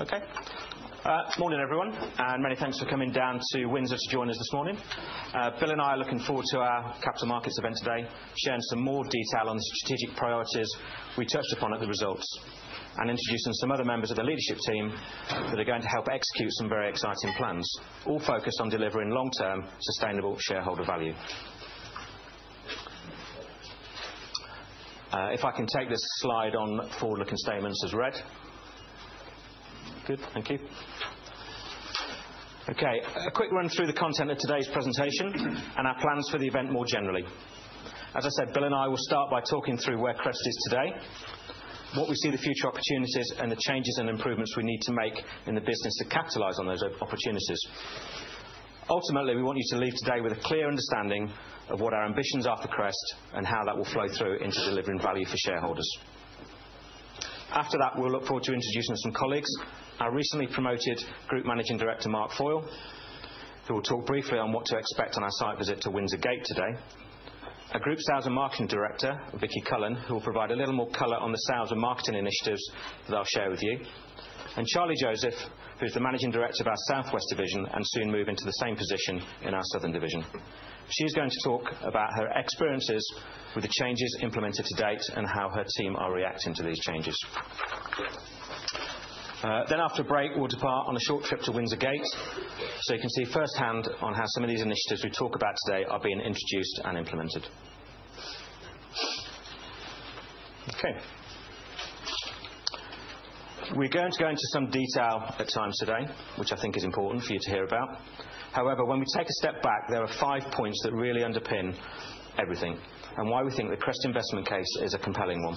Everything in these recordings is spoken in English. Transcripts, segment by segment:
Okay. Morning, everyone, and many thanks for coming down to Windsor to join us this morning. Bill and I are looking forward to our capital markets event today, sharing some more detail on the strategic priorities we touched upon at the results, and introducing some other members of the leadership team that are going to help execute some very exciting plans, all focused on delivering long-term sustainable shareholder value. If I can take this slide on forward-looking statements as read. Good, thank you. Okay, a quick run through the content of today's presentation and our plans for the event more generally. As I said, Bill and I will start by talking through where Crest Nicholson is today, what we see the future opportunities, and the changes and improvements we need to make in the business to capitalize on those opportunities. Ultimately, we want you to leave today with a clear understanding of what our ambitions are for Crest Nicholson and how that will flow through into delivering value for shareholders. After that, we look forward to introducing some colleagues: our recently promoted Group Managing Director, Mark Foyle, who will talk briefly on what to expect on our site visit to Windsor Gate today; our Group Sales and Marketing Director, Vicky Cullen, who will provide a little more color on the sales and marketing initiatives that I will share with you; and Charlie Joseph, who is the Managing Director of our Southwest division and soon moving to the same position in our Southern division. She is going to talk about her experiences with the changes implemented to date and how her team are reacting to these changes. After a break, we'll depart on a short trip to Windsor Gate so you can see firsthand how some of these initiatives we talk about today are being introduced and implemented. Okay. We're going to go into some detail at times today, which I think is important for you to hear about. However, when we take a step back, there are five points that really underpin everything and why we think the Crest investment case is a compelling one.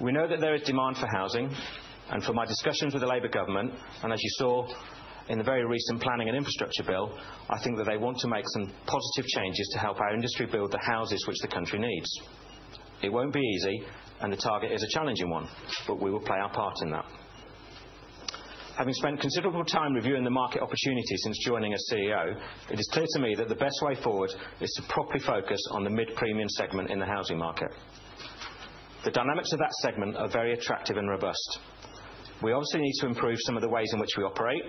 We know that there is demand for housing, and from my discussions with the Labour government, and as you saw in the very recent planning and infrastructure bill, I think that they want to make some positive changes to help our industry build the houses which the country needs. It won't be easy, and the target is a challenging one, but we will play our part in that. Having spent considerable time reviewing the market opportunities since joining as CEO, it is clear to me that the best way forward is to properly focus on the mid-premium segment in the housing market. The dynamics of that segment are very attractive and robust. We obviously need to improve some of the ways in which we operate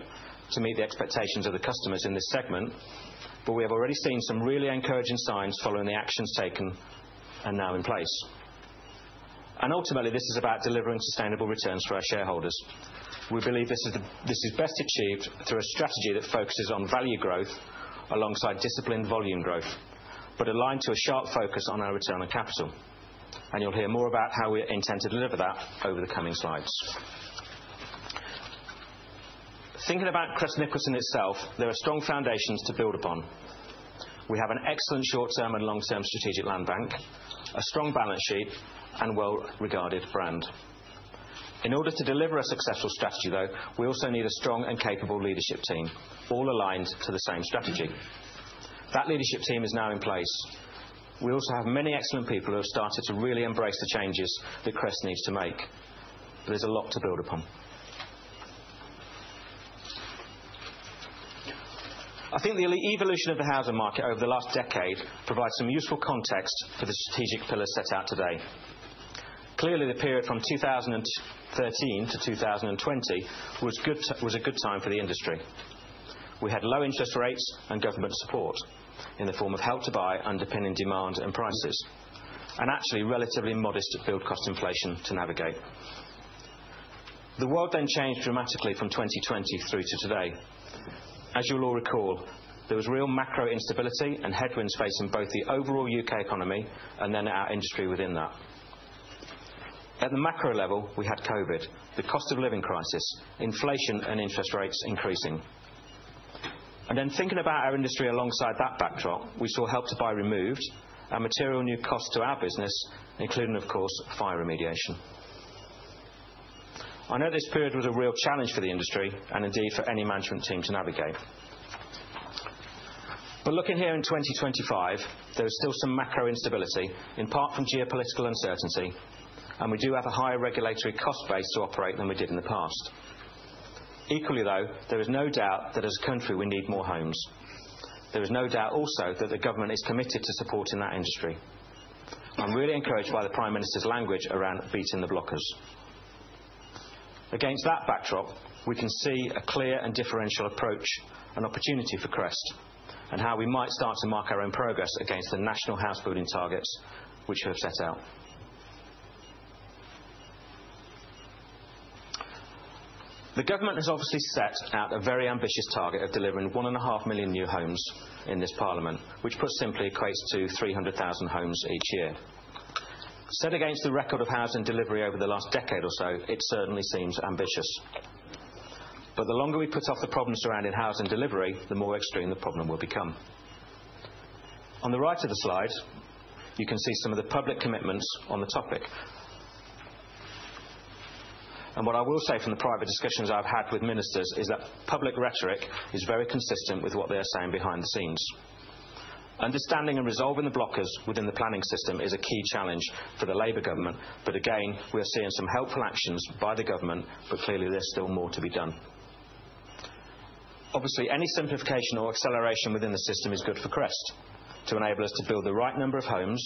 to meet the expectations of the customers in this segment, but we have already seen some really encouraging signs following the actions taken and now in place. Ultimately, this is about delivering sustainable returns for our shareholders. We believe this is best achieved through a strategy that focuses on value growth alongside disciplined volume growth, but aligned to a sharp focus on our return on capital. You will hear more about how we intend to deliver that over the coming slides. Thinking about Crest Nicholson itself, there are strong foundations to build upon. We have an excellent short-term and long-term strategic land bank, a strong balance sheet, and a well-regarded brand. In order to deliver a successful strategy, though, we also need a strong and capable leadership team, all aligned to the same strategy. That leadership team is now in place. We also have many excellent people who have started to really embrace the changes that Crest needs to make. There's a lot to build upon. I think the evolution of the housing market over the last decade provides some useful context for the strategic pillars set out today. Clearly, the period from 2013 to 2020 was a good time for the industry. We had low interest rates and government support in the form of Help to Buy underpinning demand and prices, and actually relatively modest build cost inflation to navigate. The world then changed dramatically from 2020 through to today. As you'll all recall, there was real macro instability and headwinds facing both the overall U.K. economy and then our industry within that. At the macro level, we had COVID, the cost of living crisis, inflation, and interest rates increasing. Thinking about our industry alongside that backdrop, we saw Help to Buy removed and material new costs to our business, including, of course, fire remediation. I know this period was a real challenge for the industry and indeed for any management team to navigate. Looking here in 2025, there is still some macro instability, in part from geopolitical uncertainty, and we do have a higher regulatory cost base to operate than we did in the past. Equally, though, there is no doubt that as a country we need more homes. There is no doubt also that the government is committed to supporting that industry. I'm really encouraged by the Prime Minister's language around beating the blockers. Against that backdrop, we can see a clear and differential approach and opportunity for Crest and how we might start to mark our own progress against the national housebuilding targets which we have set out. The government has obviously set out a very ambitious target of delivering 1.5 million new homes in this Parliament, which put simply equates to 300,000 homes each year. Set against the record of housing delivery over the last decade or so, it certainly seems ambitious. The longer we put off the problem surrounding housing delivery, the more extreme the problem will become. On the right of the slide, you can see some of the public commitments on the topic. What I will say from the private discussions I've had with ministers is that public rhetoric is very consistent with what they are saying behind the scenes. Understanding and resolving the blockers within the planning system is a key challenge for the Labour government. Again, we are seeing some helpful actions by the government, but clearly there's still more to be done. Obviously, any simplification or acceleration within the system is good for Crest Nicholson to enable us to build the right number of homes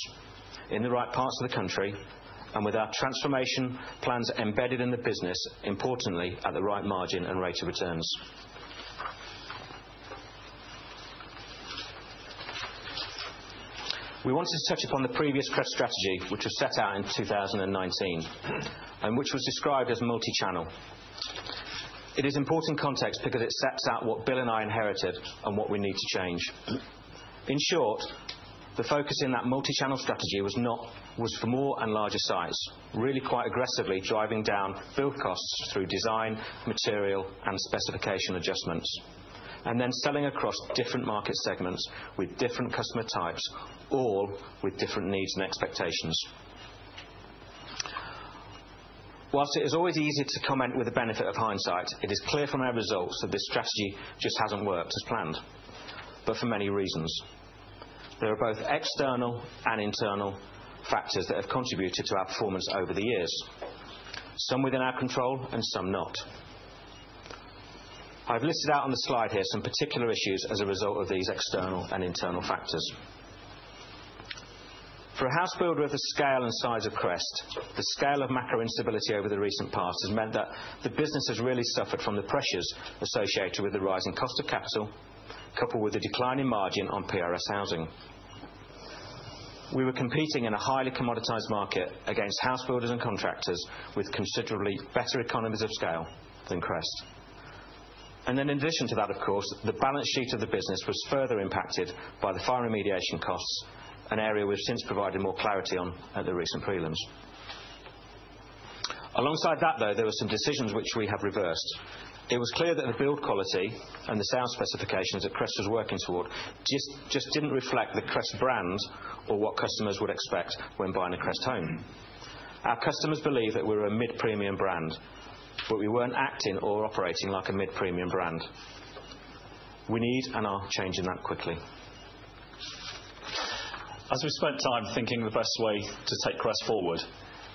in the right parts of the country and with our transformation plans embedded in the business, importantly at the right margin and rate of returns. We wanted to touch upon the previous Crest Nicholson strategy, which was set out in 2019 and which was described as multi-channel. It is important context because it sets out what Bill and I inherited and what we need to change. In short, the focus in that multi-channel strategy was for more and larger sites, really quite aggressively driving down build costs through design, material, and specification adjustments, and then selling across different market segments with different customer types, all with different needs and expectations. Whilst it is always easy to comment with the benefit of hindsight, it is clear from our results that this strategy just has not worked as planned, but for many reasons. There are both external and internal factors that have contributed to our performance over the years, some within our control and some not. I have listed out on the slide here some particular issues as a result of these external and internal factors. For a housebuilder of the scale and size of Crest, the scale of macro instability over the recent past has meant that the business has really suffered from the pressures associated with the rising cost of capital, coupled with the declining margin on PRS housing. We were competing in a highly commoditized market against housebuilders and contractors with considerably better economies of scale than Crest. In addition to that, of course, the balance sheet of the business was further impacted by the fire remediation costs, an area we have since provided more clarity on at the recent prelims. Alongside that, though, there were some decisions which we have reversed. It was clear that the build quality and the sound specifications that Crest was working toward just did not reflect the Crest brand or what customers would expect when buying a Crest home. Our customers believe that we were a mid-premium brand, but we were not acting or operating like a mid-premium brand. We need and are changing that quickly. As we spent time thinking the best way to take Crest forward,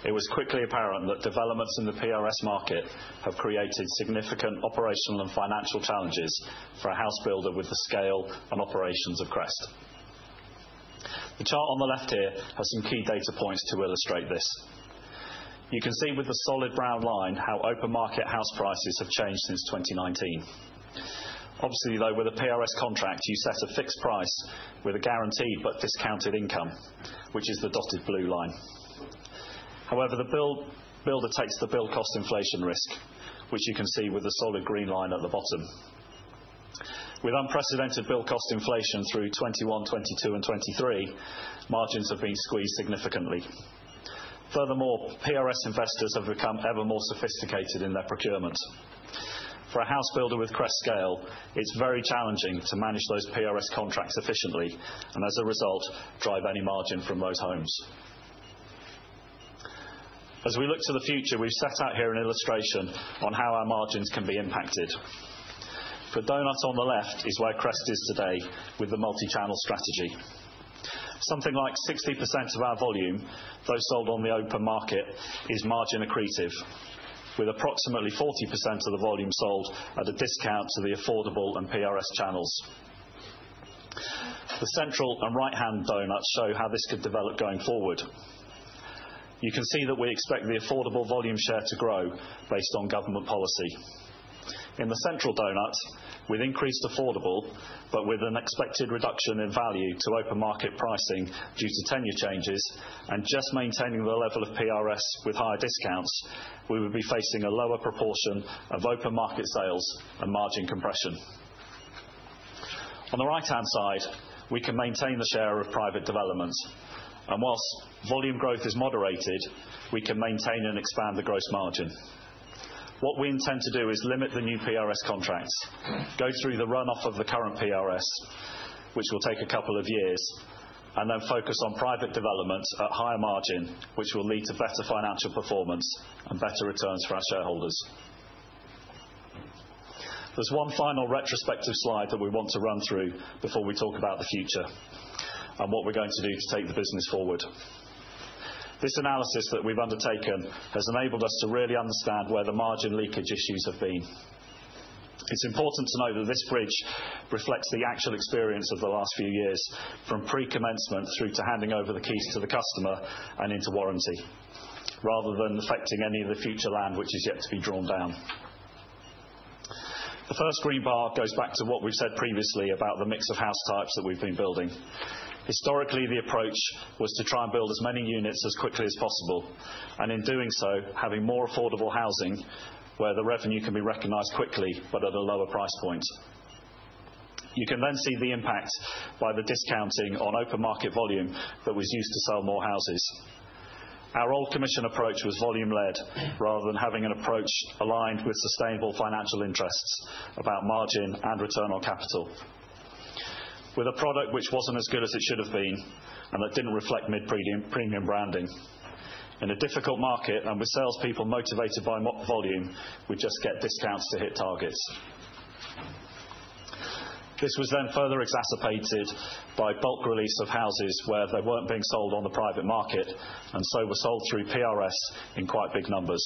it was quickly apparent that developments in the PRS market have created significant operational and financial challenges for a housebuilder with the scale and operations of Crest. The chart on the left here has some key data points to illustrate this. You can see with the solid brown line how open market house prices have changed since 2019. Obviously, though, with a PRS contract, you set a fixed price with a guaranteed but discounted income, which is the dotted blue line. However, the builder takes the build cost inflation risk, which you can see with the solid green line at the bottom. With unprecedented build cost inflation through 2021, 2022, and 2023, margins have been squeezed significantly. Furthermore, PRS investors have become ever more sophisticated in their procurement. For a housebuilder with Crest scale, it's very challenging to manage those PRS contracts efficiently and, as a result, drive any margin from those homes. As we look to the future, we've set out here an illustration on how our margins can be impacted. The donut on the left is where Crest is today with the multi-channel strategy. Something like 60% of our volume, though sold on the open market, is margin accretive, with approximately 40% of the volume sold at a discount to the affordable and PRS channels. The central and right-hand donuts show how this could develop going forward. You can see that we expect the affordable volume share to grow based on government policy. In the central donut, with increased affordable, but with an expected reduction in value to open market pricing due to tenure changes and just maintaining the level of PRS with higher discounts, we would be facing a lower proportion of open market sales and margin compression. On the right-hand side, we can maintain the share of private development, and whilst volume growth is moderated, we can maintain and expand the gross margin. What we intend to do is limit the new PRS contracts, go through the run-off of the current PRS, which will take a couple of years, and then focus on private development at higher margin, which will lead to better financial performance and better returns for our shareholders. There is one final retrospective slide that we want to run through before we talk about the future and what we are going to do to take the business forward. This analysis that we've undertaken has enabled us to really understand where the margin leakage issues have been. It's important to know that this bridge reflects the actual experience of the last few years, from pre-commencement through to handing over the keys to the customer and into warranty, rather than affecting any of the future land which is yet to be drawn down. The first green bar goes back to what we've said previously about the mix of house types that we've been building. Historically, the approach was to try and build as many units as quickly as possible, and in doing so, having more affordable housing where the revenue can be recognized quickly but at a lower price point. You can then see the impact by the discounting on open market volume that was used to sell more houses. Our old commission approach was volume-led rather than having an approach aligned with sustainable financial interests about margin and return on capital, with a product which was not as good as it should have been and that did not reflect mid-premium branding. In a difficult market and with salespeople motivated by volume, we just get discounts to hit targets. This was then further exacerbated by bulk release of houses where they were not being sold on the private market and so were sold through PRS in quite big numbers.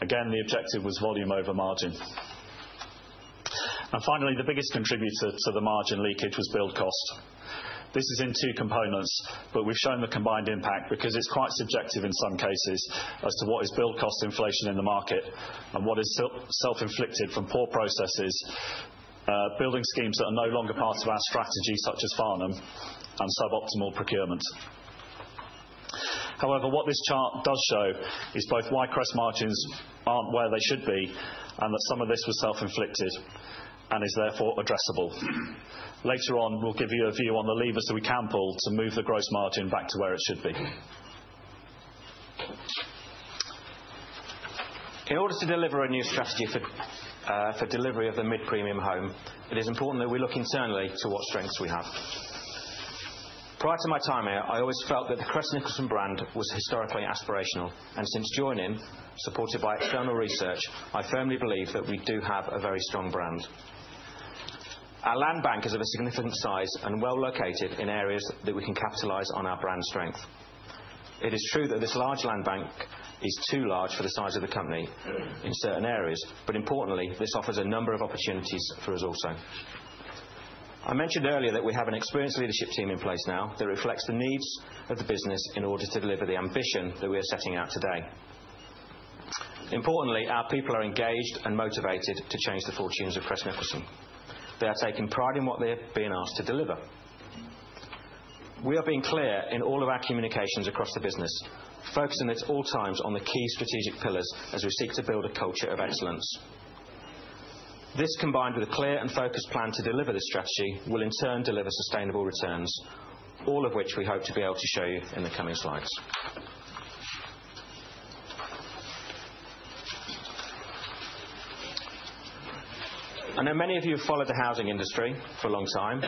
Again, the objective was volume over margin. Finally, the biggest contributor to the margin leakage was build cost. This is in two components, but we've shown the combined impact because it's quite subjective in some cases as to what is build cost inflation in the market and what is self-inflicted from poor processes, building schemes that are no longer part of our strategy, such as Farnham, and suboptimal procurement. However, what this chart does show is both why Crest margins aren't where they should be and that some of this was self-inflicted and is therefore addressable. Later on, we'll give you a view on the levers that we can pull to move the gross margin back to where it should be. In order to deliver a new strategy for delivery of the mid-premium home, it is important that we look internally to what strengths we have. Prior to my time here, I always felt that the Crest Nicholson brand was historically aspirational, and since joining, supported by external research, I firmly believe that we do have a very strong brand. Our land bank is of a significant size and well located in areas that we can capitalize on our brand strength. It is true that this large land bank is too large for the size of the company in certain areas, but importantly, this offers a number of opportunities for us also. I mentioned earlier that we have an experienced leadership team in place now that reflects the needs of the business in order to deliver the ambition that we are setting out today. Importantly, our people are engaged and motivated to change the fortunes of Crest Nicholson. They are taking pride in what they're being asked to deliver. We are being clear in all of our communications across the business, focusing at all times on the key strategic pillars as we seek to build a culture of excellence. This, combined with a clear and focused plan to deliver this strategy, will in turn deliver sustainable returns, all of which we hope to be able to show you in the coming slides. I know many of you have followed the housing industry for a long time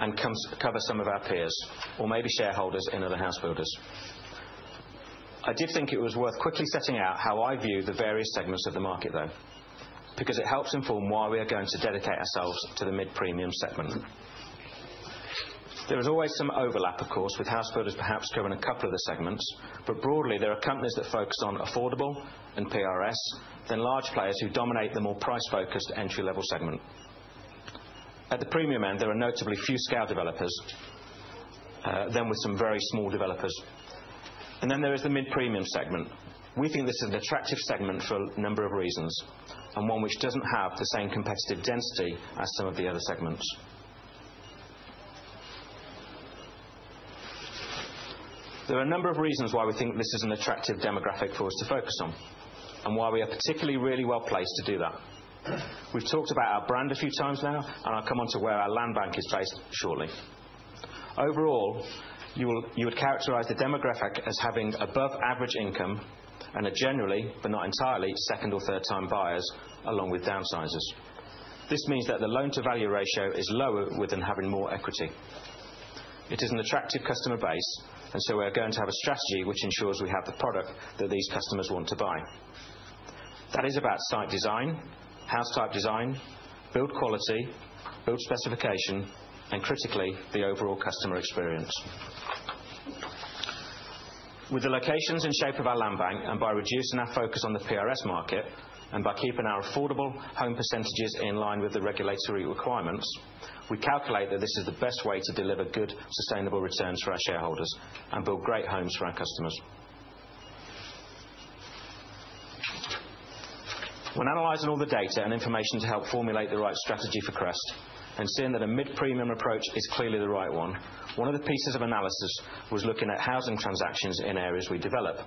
and cover some of our peers or maybe shareholders in other housebuilders. I did think it was worth quickly setting out how I view the various segments of the market, though, because it helps inform why we are going to dedicate ourselves to the mid-premium segment. There is always some overlap, of course, with housebuilders perhaps covering a couple of the segments, but broadly, there are companies that focus on affordable and PRS, then large players who dominate the more price-focused entry-level segment. At the premium end, there are notably few scale developers, then with some very small developers. There is the mid-premium segment. We think this is an attractive segment for a number of reasons and one which does not have the same competitive density as some of the other segments. There are a number of reasons why we think this is an attractive demographic for us to focus on and why we are particularly really well placed to do that. We have talked about our brand a few times now, and I will come on to where our land bank is based shortly. Overall, you would characterize the demographic as having above average income and are generally, but not entirely, second or third-time buyers, along with downsizers. This means that the loan-to-value ratio is lower within having more equity. It is an attractive customer base, and so we are going to have a strategy which ensures we have the product that these customers want to buy. That is about site design, house type design, build quality, build specification, and critically, the overall customer experience. With the locations and shape of our land bank and by reducing our focus on the PRS market and by keeping our affordable home percentages in line with the regulatory requirements, we calculate that this is the best way to deliver good, sustainable returns for our shareholders and build great homes for our customers. When analyzing all the data and information to help formulate the right strategy for Crest and seeing that a mid-premium approach is clearly the right one, one of the pieces of analysis was looking at housing transactions in areas we develop.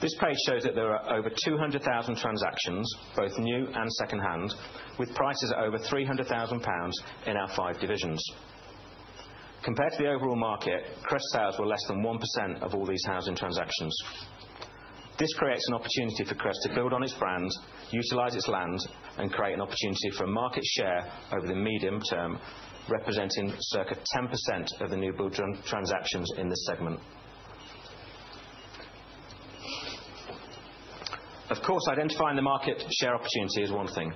This page shows that there are over 200,000 transactions, both new and second-hand, with prices over 300,000 pounds in our five divisions. Compared to the overall market, Crest sales were less than 1% of all these housing transactions. This creates an opportunity for Crest to build on its brand, utilize its land, and create an opportunity for a market share over the medium term, representing circa 10% of the new build transactions in this segment. Of course, identifying the market share opportunity is one thing.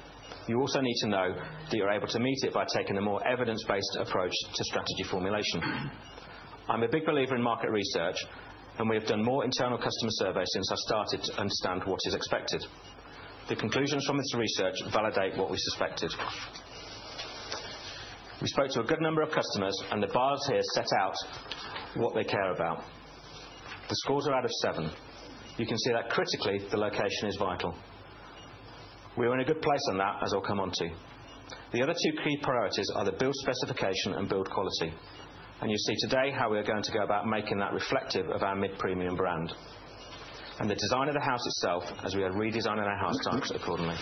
You also need to know that you're able to meet it by taking a more evidence-based approach to strategy formulation. I'm a big believer in market research, and we have done more internal customer surveys since I've started to understand what is expected. The conclusions from this research validate what we suspected. We spoke to a good number of customers, and the bars here set out what they care about. The scores are out of seven. You can see that critically, the location is vital. We were in a good place on that, as I'll come on to. The other two key priorities are the build specification and build quality. You see today how we are going to go about making that reflective of our mid-premium brand and the design of the house itself as we are redesigning our house types accordingly.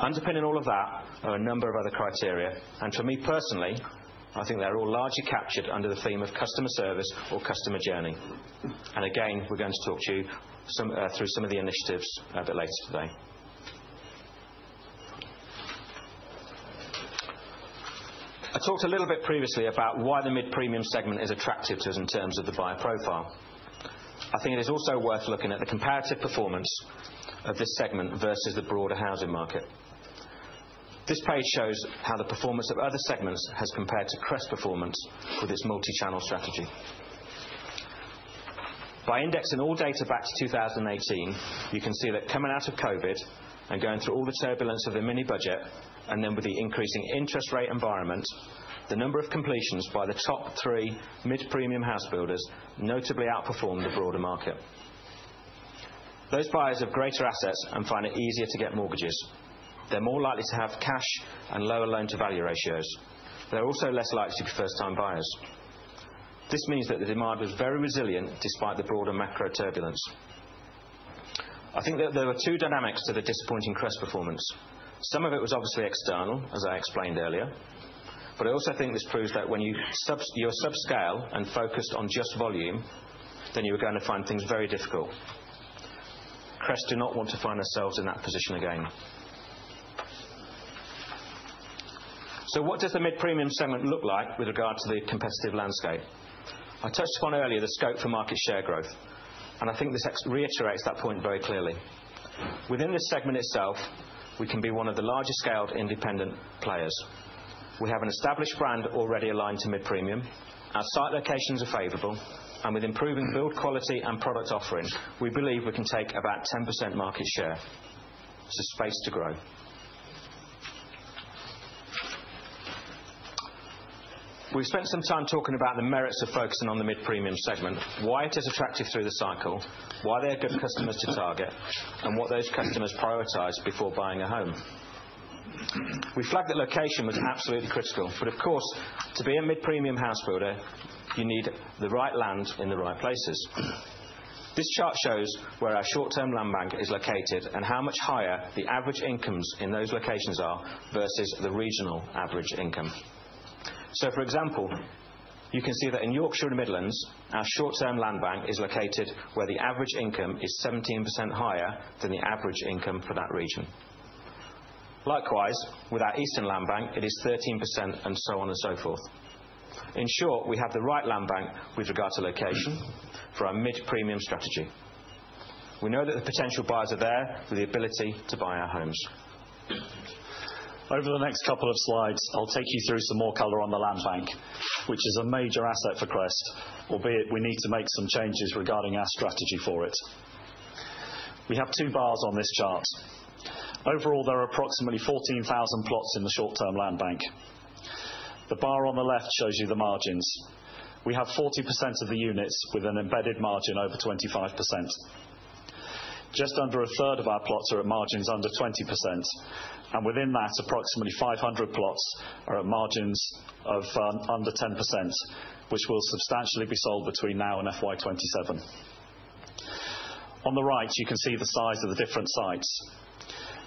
Underpinning all of that are a number of other criteria, and for me personally, I think they're all largely captured under the theme of customer service or customer journey. Again, we're going to talk to you through some of the initiatives a bit later today. I talked a little bit previously about why the mid-premium segment is attractive to us in terms of the buyer profile. I think it is also worth looking at the comparative performance of this segment versus the broader housing market. This page shows how the performance of other segments has compared to Crest performance with its multi-channel strategy. By indexing all data back to 2018, you can see that coming out of COVID and going through all the turbulence of the mini-budget, and then with the increasing interest rate environment, the number of completions by the top three mid-premium housebuilders notably outperformed the broader market. Those buyers have greater assets and find it easier to get mortgages. They're more likely to have cash and lower loan-to-value ratios. They're also less likely to be first-time buyers. This means that the demand was very resilient despite the broader macro turbulence. I think that there were two dynamics to the disappointing Crest performance. Some of it was obviously external, as I explained earlier, but I also think this proves that when you're subscale and focused on just volume, then you are going to find things very difficult. Crest do not want to find themselves in that position again. What does the mid-premium segment look like with regard to the competitive landscape? I touched upon earlier the scope for market share growth, and I think this reiterates that point very clearly. Within this segment itself, we can be one of the largest scaled independent players. We have an established brand already aligned to mid-premium. Our site locations are favorable, and with improving build quality and product offering, we believe we can take about 10% market share. It's a space to grow. We've spent some time talking about the merits of focusing on the mid-premium segment, why it is attractive through the cycle, why they're good customers to target, and what those customers prioritize before buying a home. We flagged that location was absolutely critical, but of course, to be a mid-premium housebuilder, you need the right land in the right places. This chart shows where our short-term land bank is located and how much higher the average incomes in those locations are versus the regional average income. For example, you can see that in Yorkshire Midlands, our short-term land bank is located where the average income is 17% higher than the average income for that region. Likewise, with our Eastern land bank, it is 13% and so on and so forth. In short, we have the right land bank with regard to location for our mid-premium strategy. We know that the potential buyers are there with the ability to buy our homes. Over the next couple of slides, I'll take you through some more color on the land bank, which is a major asset for Crest Nicholson, albeit we need to make some changes regarding our strategy for it. We have two bars on this chart. Overall, there are approximately 14,000 plots in the short-term land bank. The bar on the left shows you the margins. We have 40% of the units with an embedded margin over 25%. Just under a third of our plots are at margins under 20%, and within that, approximately 500 plots are at margins of under 10%, which will substantially be sold between now and FY2027. On the right, you can see the size of the different sites.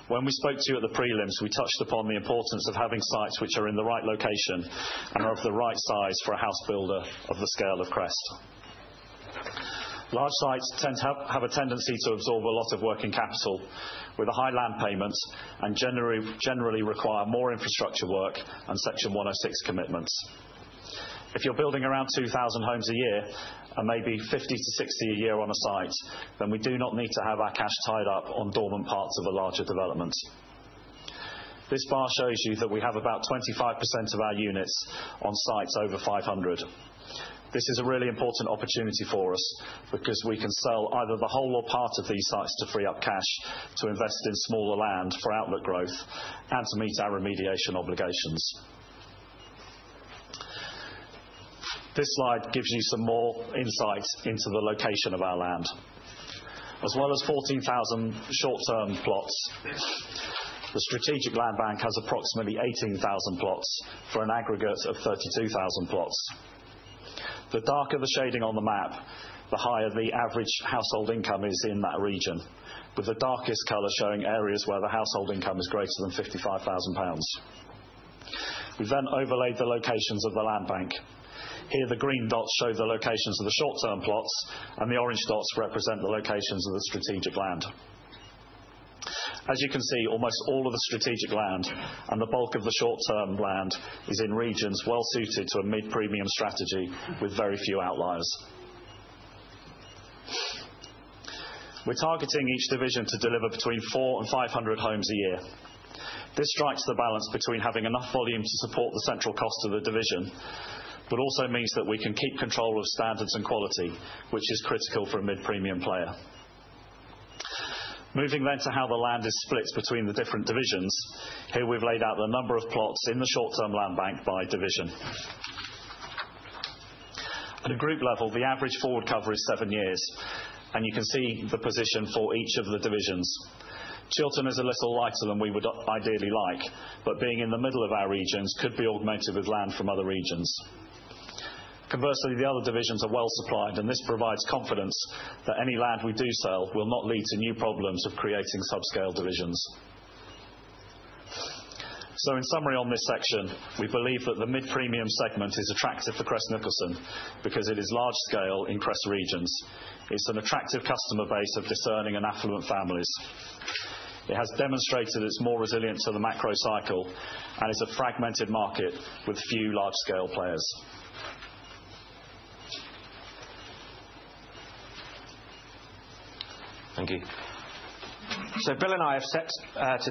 When we spoke to you at the prelims, we touched upon the importance of having sites which are in the right location and are of the right size for a housebuilder of the scale of Crest Nicholson. Large sites tend to have a tendency to absorb a lot of working capital with a high land payment and generally require more infrastructure work and Section 106 commitments. If you're building around 2,000 homes a year and maybe 50-60 a year on a site, then we do not need to have our cash tied up on dormant parts of a larger development. This bar shows you that we have about 25% of our units on sites over 500. This is a really important opportunity for us because we can sell either the whole or part of these sites to free up cash to invest in smaller land for outlook growth and to meet our remediation obligations. This slide gives you some more insight into the location of our land. As well as 14,000 short-term plots, the strategic land bank has approximately 18,000 plots for an aggregate of 32,000 plots. The darker the shading on the map, the higher the average household income is in that region, with the darkest color showing areas where the household income is greater than 55,000 pounds. We've then overlaid the locations of the land bank. Here, the green dots show the locations of the short-term plots, and the orange dots represent the locations of the strategic land. As you can see, almost all of the strategic land and the bulk of the short-term land is in regions well suited to a mid-premium strategy with very few outliers. We're targeting each division to deliver between 400 and 500 homes a year. This strikes the balance between having enough volume to support the central cost of the division, but also means that we can keep control of standards and quality, which is critical for a mid-premium player. Moving then to how the land is split between the different divisions, here we have laid out the number of plots in the short-term land bank by division. At a group level, the average forward cover is seven years, and you can see the position for each of the divisions. Chiltern is a little lighter than we would ideally like, but being in the middle of our regions could be augmented with land from other regions. Conversely, the other divisions are well supplied, and this provides confidence that any land we do sell will not lead to new problems of creating subscale divisions. In summary on this section, we believe that the mid-premium segment is attractive for Crest Nicholson because it is large scale in Crest regions. It is an attractive customer base of discerning and affluent families. It has demonstrated its more resilience to the macro cycle and is a fragmented market with few large scale players. Thank you. Bill and I have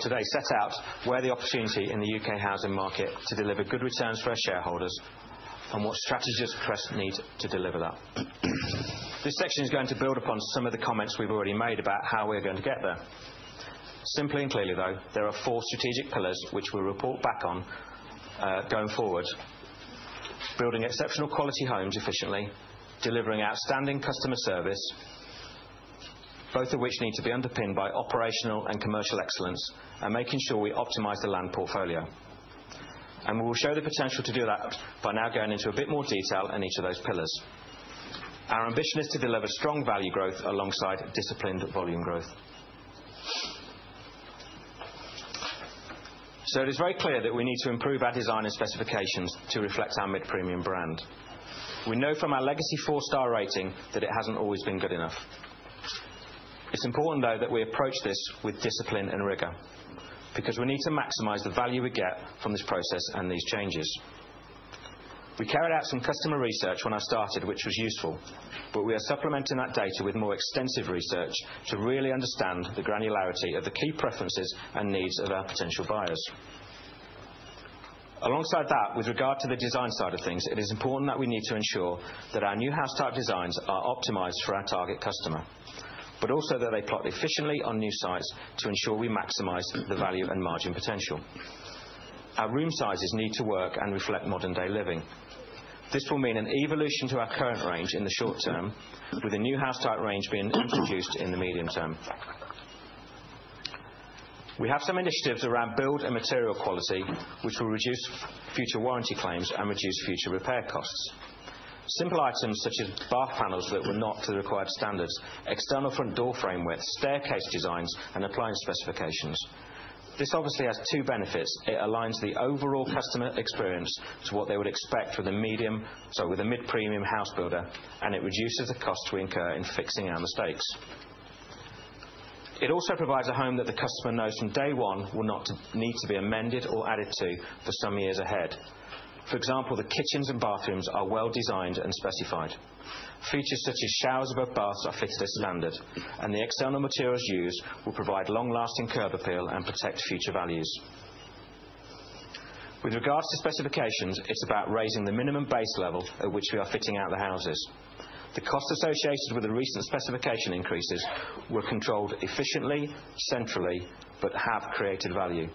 today set out where the opportunity in the U.K. housing market to deliver good returns for our shareholders and what strategists at Crest Nicholson need to deliver that. This section is going to build upon some of the comments we've already made about how we're going to get there. Simply and clearly, though, there are four strategic pillars which we'll report back on going forward: building exceptional quality homes efficiently, delivering outstanding customer service, both of which need to be underpinned by operational and commercial excellence, and making sure we optimize the land portfolio. We will show the potential to do that by now going into a bit more detail on each of those pillars. Our ambition is to deliver strong value growth alongside disciplined volume growth. It is very clear that we need to improve our design and specifications to reflect our mid-premium brand. We know from our legacy four-star rating that it has not always been good enough. It is important, though, that we approach this with discipline and rigor because we need to maximize the value we get from this process and these changes. We carried out some customer research when I started, which was useful, but we are supplementing that data with more extensive research to really understand the granularity of the key preferences and needs of our potential buyers. Alongside that, with regard to the design side of things, it is important that we need to ensure that our new house type designs are optimized for our target customer, but also that they plot efficiently on new sites to ensure we maximize the value and margin potential. Our room sizes need to work and reflect modern-day living. This will mean an evolution to our current range in the short term, with a new house type range being introduced in the medium term. We have some initiatives around build and material quality, which will reduce future warranty claims and reduce future repair costs. Simple items such as bath panels that were not to the required standards, external front door frame width, staircase designs, and appliance specifications. This obviously has two benefits. It aligns the overall customer experience to what they would expect with a mid-premium housebuilder, and it reduces the costs we incur in fixing our mistakes. It also provides a home that the customer knows from day one will not need to be amended or added to for some years ahead. For example, the kitchens and bathrooms are well designed and specified. Features such as showers above baths are fitted as standard, and the external materials used will provide long-lasting curb appeal and protect future values. With regards to specifications, it's about raising the minimum base level at which we are fitting out the houses. The cost associated with the recent specification increases were controlled efficiently, centrally, but have created value.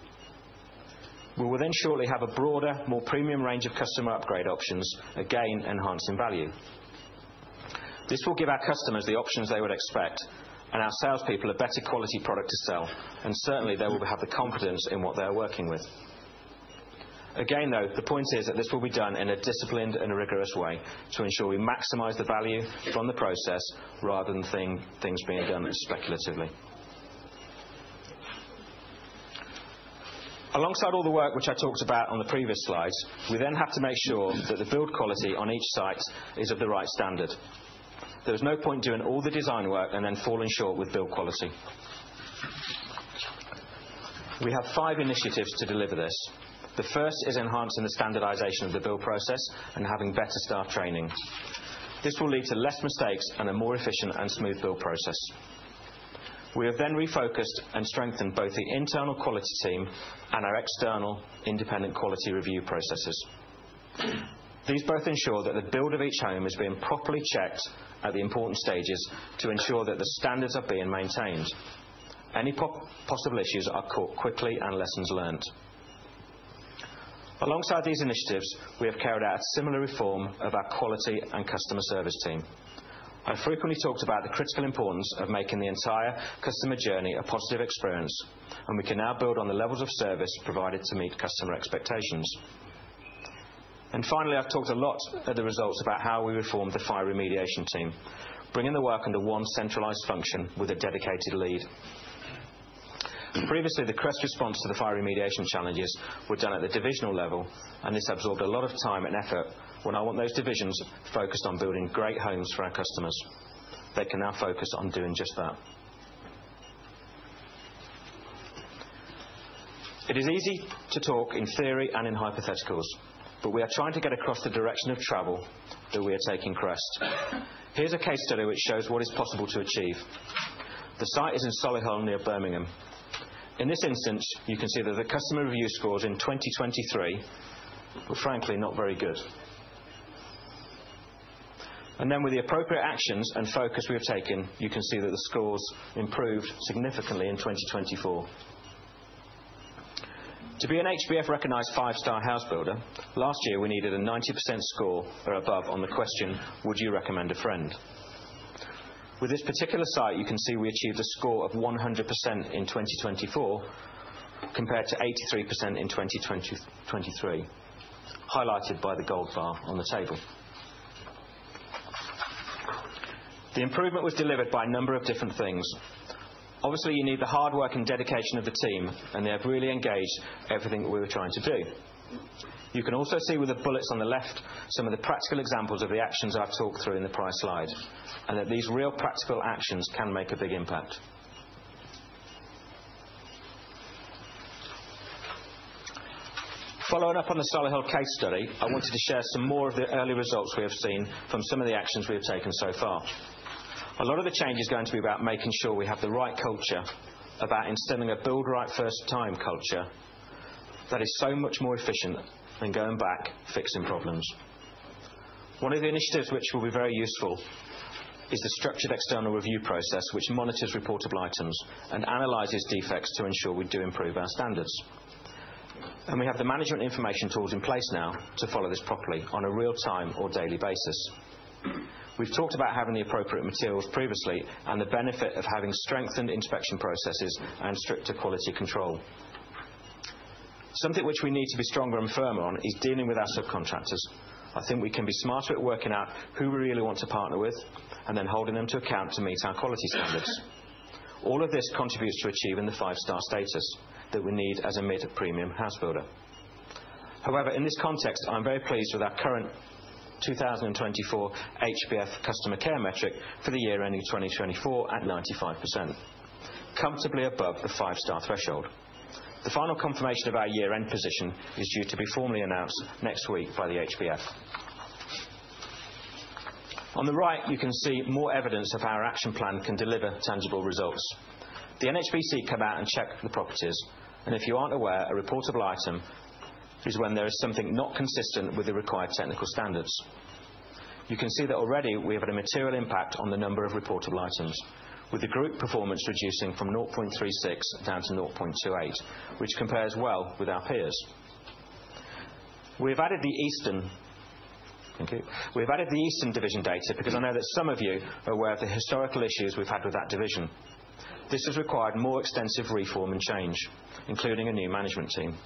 We will then shortly have a broader, more premium range of customer upgrade options, again enhancing value. This will give our customers the options they would expect and our salespeople a better quality product to sell, and certainly they will have the confidence in what they are working with. Again, though, the point is that this will be done in a disciplined and rigorous way to ensure we maximize the value from the process rather than things being done speculatively. Alongside all the work which I talked about on the previous slides, we then have to make sure that the build quality on each site is of the right standard. There is no point doing all the design work and then falling short with build quality. We have five initiatives to deliver this. The first is enhancing the standardization of the build process and having better staff training. This will lead to fewer mistakes and a more efficient and smooth build process. We have then refocused and strengthened both the internal quality team and our external independent quality review processes. These both ensure that the build of each home is being properly checked at the important stages to ensure that the standards are being maintained. Any possible issues are caught quickly and lessons learnt. Alongside these initiatives, we have carried out a similar reform of our quality and customer service team. I frequently talked about the critical importance of making the entire customer journey a positive experience, and we can now build on the levels of service provided to meet customer expectations. Finally, I've talked a lot at the results about how we reformed the fire remediation team, bringing the work under one centralized function with a dedicated lead. Previously, the Crest response to the fire remediation challenges were done at the divisional level, and this absorbed a lot of time and effort when I want those divisions focused on building great homes for our customers. They can now focus on doing just that. It is easy to talk in theory and in hypotheticals, but we are trying to get across the direction of travel that we are taking Crest. Here is a case study which shows what is possible to achieve. The site is in Solihull near Birmingham. In this instance, you can see that the customer review scores in 2023 were frankly not very good. With the appropriate actions and focus we have taken, you can see that the scores improved significantly in 2024. To be an HBF-recognized five-star housebuilder, last year we needed a 90% score or above on the question, "Would you recommend a friend?" With this particular site, you can see we achieved a score of 100% in 2024 compared to 83% in 2023, highlighted by the gold bar on the table. The improvement was delivered by a number of different things. Obviously, you need the hard work and dedication of the team, and they have really engaged everything that we were trying to do. You can also see with the bullets on the left some of the practical examples of the actions I've talked through in the prior slide, and that these real practical actions can make a big impact. Following up on the Solihull case study, I wanted to share some more of the early results we have seen from some of the actions we have taken so far. A lot of the change is going to be about making sure we have the right culture, about instilling a build right first time culture that is so much more efficient than going back fixing problems. One of the initiatives which will be very useful is the structured external review process, which monitors reportable items and analyzes defects to ensure we do improve our standards. We have the management information tools in place now to follow this properly on a real-time or daily basis. We've talked about having the appropriate materials previously and the benefit of having strengthened inspection processes and stricter quality control. Something which we need to be stronger and firmer on is dealing with our subcontractors. I think we can be smarter at working out who we really want to partner with and then holding them to account to meet our quality standards. All of this contributes to achieving the five-star status that we need as a mid-premium housebuilder. However, in this context, I'm very pleased with our current 2024 HBF customer care metric for the year ending 2024 at 95%, comfortably above the five-star threshold. The final confirmation of our year-end position is due to be formally announced next week by the HBF. On the right, you can see more evidence of how our action plan can deliver tangible results. The NHBC came out and checked the properties, and if you aren't aware, a reportable item is when there is something not consistent with the required technical standards. You can see that already we have had a material impact on the number of reportable items, with the group performance reducing from 0.36 down to 0.28, which compares well with our peers. We have added the Eastern. Thank you. We have added the Eastern division data because I know that some of you are aware of the historical issues we've had with that division. This has required more extensive reform and change, including a new management team.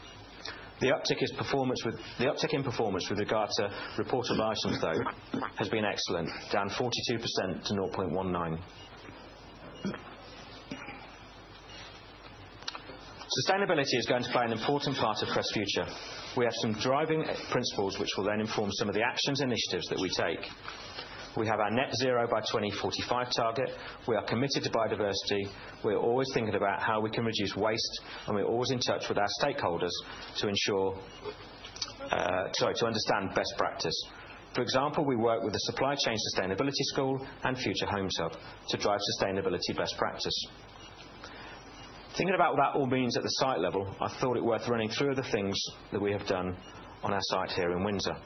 The uptick in performance with regard to reportable items, though, has been excellent, down 42% to 0.19. Sustainability is going to play an important part of Crest Nicholson's future. We have some driving principles which will then inform some of the actions and initiatives that we take. We have our net zero by 2045 target. We are committed to biodiversity. We are always thinking about how we can reduce waste, and we're always in touch with our stakeholders to understand best practice. For example, we work with the Supply Chain Sustainability School and Future Home Sub to drive sustainability best practice. Thinking about what that all means at the site level, I thought it worth running through the things that we have done on our site here in Windsor.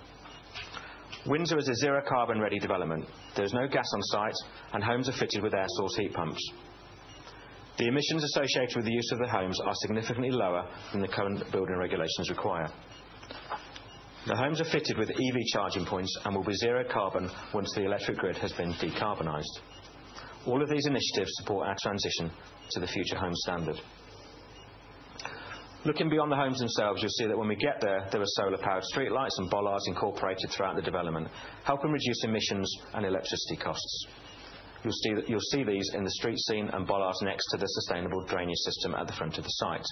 Windsor is a zero-carbon ready development. There is no gas on site, and homes are fitted with air source heat pumps. The emissions associated with the use of the homes are significantly lower than the current building regulations require. The homes are fitted with EV charging points and will be zero-carbon once the electric grid has been decarbonized. All of these initiatives support our transition to the future home standard. Looking beyond the homes themselves, you'll see that when we get there, there are solar-powered streetlights and bollards incorporated throughout the development, helping reduce emissions and electricity costs. You'll see these in the street scene and bollards next to the sustainable drainage system at the front of the site.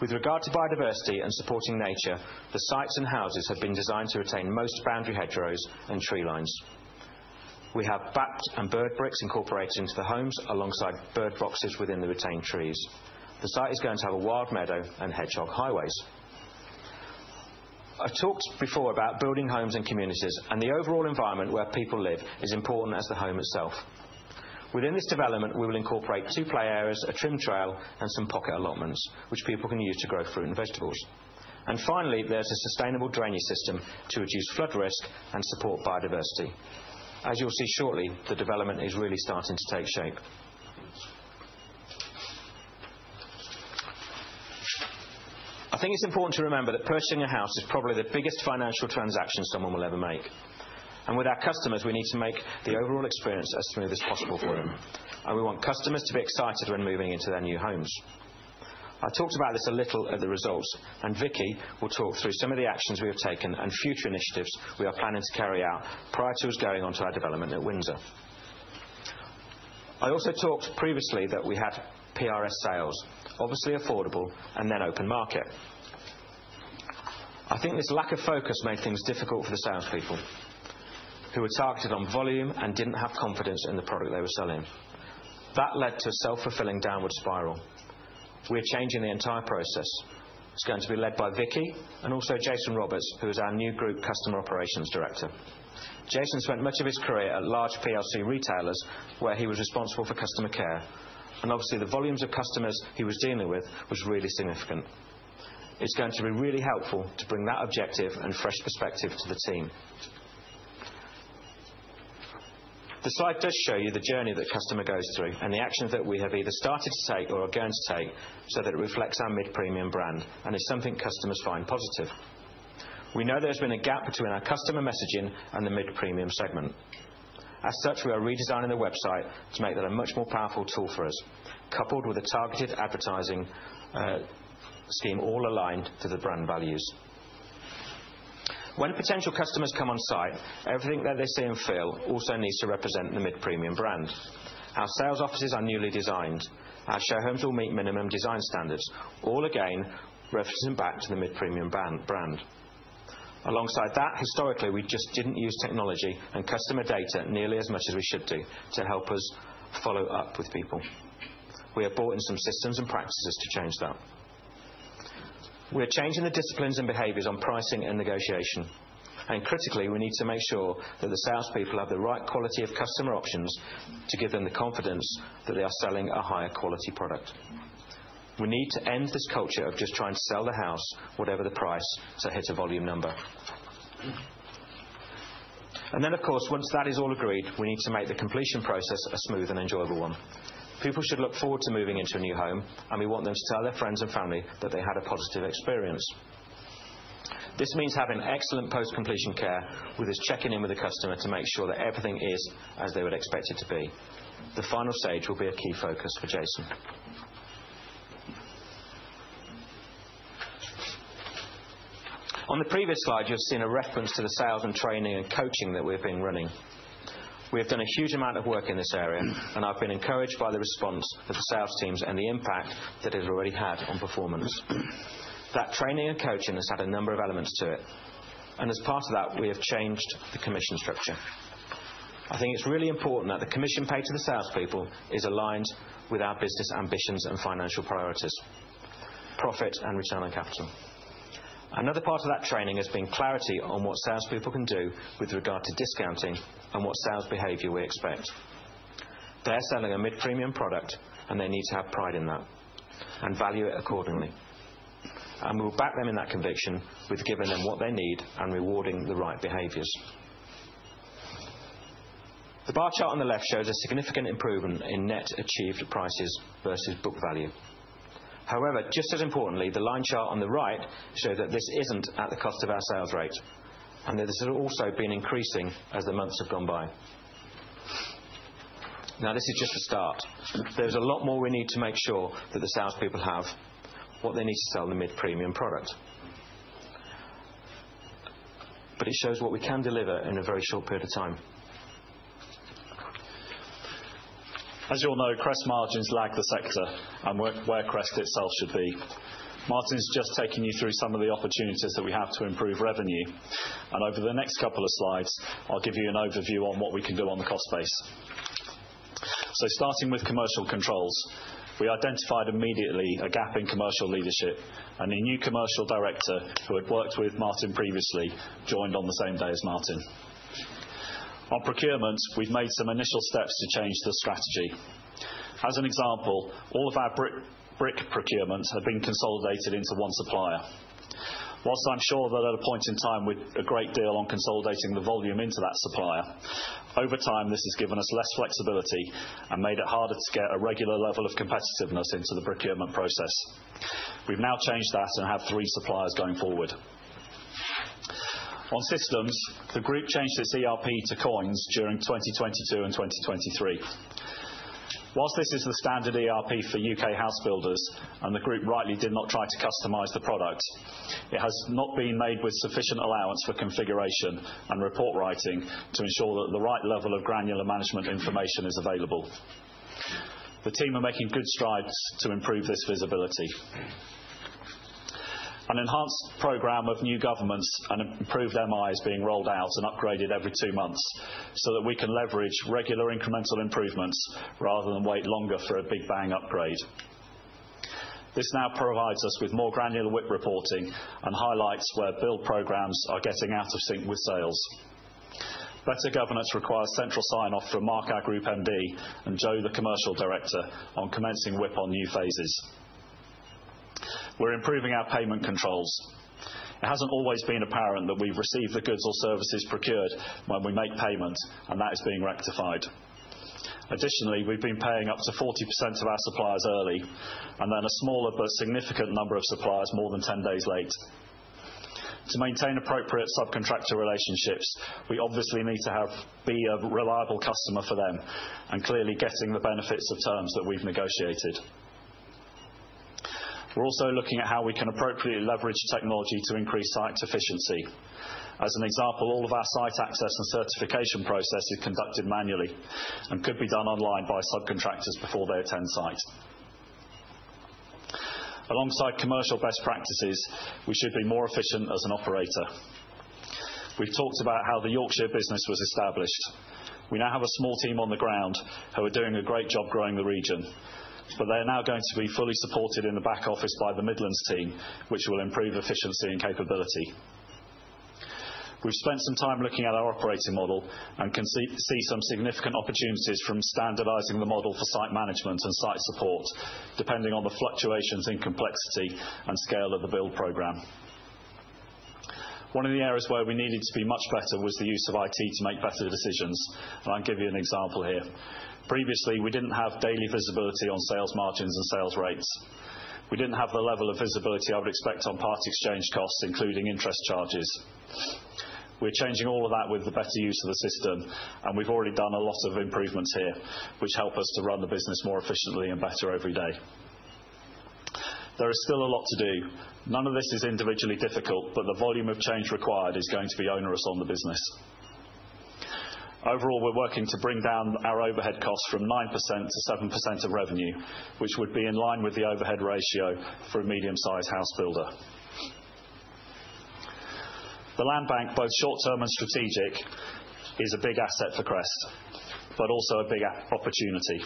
With regard to biodiversity and supporting nature, the sites and houses have been designed to retain most boundary hedgerows and tree lines. We have bat and bird bricks incorporated into the homes alongside bird boxes within the retained trees. The site is going to have a wild meadow and hedgehog highways. I've talked before about building homes and communities, and the overall environment where people live is important as the home itself. Within this development, we will incorporate two play areas, a trim trail, and some pocket allotments, which people can use to grow fruit and vegetables. Finally, there's a sustainable drainage system to reduce flood risk and support biodiversity. As you'll see shortly, the development is really starting to take shape. I think it's important to remember that purchasing a house is probably the biggest financial transaction someone will ever make. With our customers, we need to make the overall experience as smooth as possible for them, and we want customers to be excited when moving into their new homes. I talked about this a little at the results, and Vicky will talk through some of the actions we have taken and future initiatives we are planning to carry out prior to us going on to our development at Windsor. I also talked previously that we had PRS sales, obviously affordable, and then open market. I think this lack of focus made things difficult for the salespeople who were targeted on volume and did not have confidence in the product they were selling. That led to a self-fulfilling downward spiral. We are changing the entire process. It is going to be led by Vicky and also Jason Roberts, who is our new Group Customer Operations Director. Jason spent much of his career at large PLC retailers where he was responsible for customer care, and obviously, the volumes of customers he was dealing with were really significant. It's going to be really helpful to bring that objective and fresh perspective to the team. The slide does show you the journey that customer goes through and the actions that we have either started to take or are going to take so that it reflects our mid-premium brand and is something customers find positive. We know there has been a gap between our customer messaging and the mid-premium segment. As such, we are redesigning the website to make that a much more powerful tool for us, coupled with a targeted advertising scheme all aligned to the brand values. When potential customers come on site, everything that they see and feel also needs to represent the mid-premium brand. Our sales offices are newly designed. Our show homes will meet minimum design standards, all again referencing back to the mid-premium brand. Alongside that, historically, we just did not use technology and customer data nearly as much as we should do to help us follow up with people. We have brought in some systems and practices to change that. We are changing the disciplines and behaviors on pricing and negotiation. Critically, we need to make sure that the salespeople have the right quality of customer options to give them the confidence that they are selling a higher quality product. We need to end this culture of just trying to sell the house whatever the price to hit a volume number. Of course, once that is all agreed, we need to make the completion process a smooth and enjoyable one. People should look forward to moving into a new home, and we want them to tell their friends and family that they had a positive experience. This means having excellent post-completion care with us checking in with the customer to make sure that everything is as they would expect it to be. The final stage will be a key focus for Jason. On the previous slide, you've seen a reference to the sales and training and coaching that we have been running. We have done a huge amount of work in this area, and I've been encouraged by the response of the sales teams and the impact that it has already had on performance. That training and coaching has had a number of elements to it, and as part of that, we have changed the commission structure. I think it's really important that the commission paid to the salespeople is aligned with our business ambitions and financial priorities, profit and return on capital. Another part of that training has been clarity on what salespeople can do with regard to discounting and what sales behavior we expect. They're selling a mid-premium product, and they need to have pride in that and value it accordingly. We will back them in that conviction with giving them what they need and rewarding the right behaviors. The bar chart on the left shows a significant improvement in net achieved prices versus book value. However, just as importantly, the line chart on the right shows that this isn't at the cost of our sales rate and that this has also been increasing as the months have gone by. This is just the start. There is a lot more we need to make sure that the salespeople have what they need to sell the mid-premium product, but it shows what we can deliver in a very short period of time. Whilst I'm sure that at a point in time we'd a great deal on consolidating the volume into that supplier, over time, this has given us less flexibility and made it harder to get a regular level of competitiveness into the procurement process. We've now changed that and have three suppliers going forward. On systems, the group changed its ERP to COINS during 2022 and 2023. Whilst this is the standard ERP for U.K. housebuilders, and the group rightly did not try to customize the product, it has not been made with sufficient allowance for configuration and report writing to ensure that the right level of granular management information is available. The team are making good strides to improve this visibility. An enhanced program of new governance and improved MI is being rolled out and upgraded every two months so that we can leverage regular incremental improvements rather than wait longer for a big bang upgrade. This now provides us with more granular WIP reporting and highlights where build programs are getting out of sync with sales. Better governance requires central sign-off from Mark, our Group MD, and Joe, the Commercial Director, on commencing WIP on new phases. We're improving our payment controls. It hasn't always been apparent that we've received the goods or services procured when we make payment, and that is being rectified. Additionally, we've been paying up to 40% of our suppliers early and then a smaller but significant number of suppliers more than 10 days late. To maintain appropriate subcontractor relationships, we obviously need to be a reliable customer for them and clearly getting the benefits of terms that we've negotiated. We're also looking at how we can appropriately leverage technology to increase site efficiency. As an example, all of our site access and certification process is conducted manually and could be done online by subcontractors before they attend site. Alongside commercial best practices, we should be more efficient as an operator. We've talked about how the Yorkshire business was established. We now have a small team on the ground who are doing a great job growing the region, but they're now going to be fully supported in the back office by the Midlands team, which will improve efficiency and capability. We've spent some time looking at our operating model and can see some significant opportunities from standardizing the model for site management and site support, depending on the fluctuations in complexity and scale of the build program. One of the areas where we needed to be much better was the use of IT to make better decisions, and I'll give you an example here. Previously, we didn't have daily visibility on sales margins and sales rates. We didn't have the level of visibility I would expect on part exchange costs, including interest charges. We're changing all of that with the better use of the system, and we've already done a lot of improvements here, which help us to run the business more efficiently and better every day. There is still a lot to do. None of this is individually difficult, but the volume of change required is going to be onerous on the business. Overall, we're working to bring down our overhead costs from 9% to 7% of revenue, which would be in line with the overhead ratio for a medium-sized housebuilder. The land bank, both short-term and strategic, is a big asset for Crest, but also a big opportunity.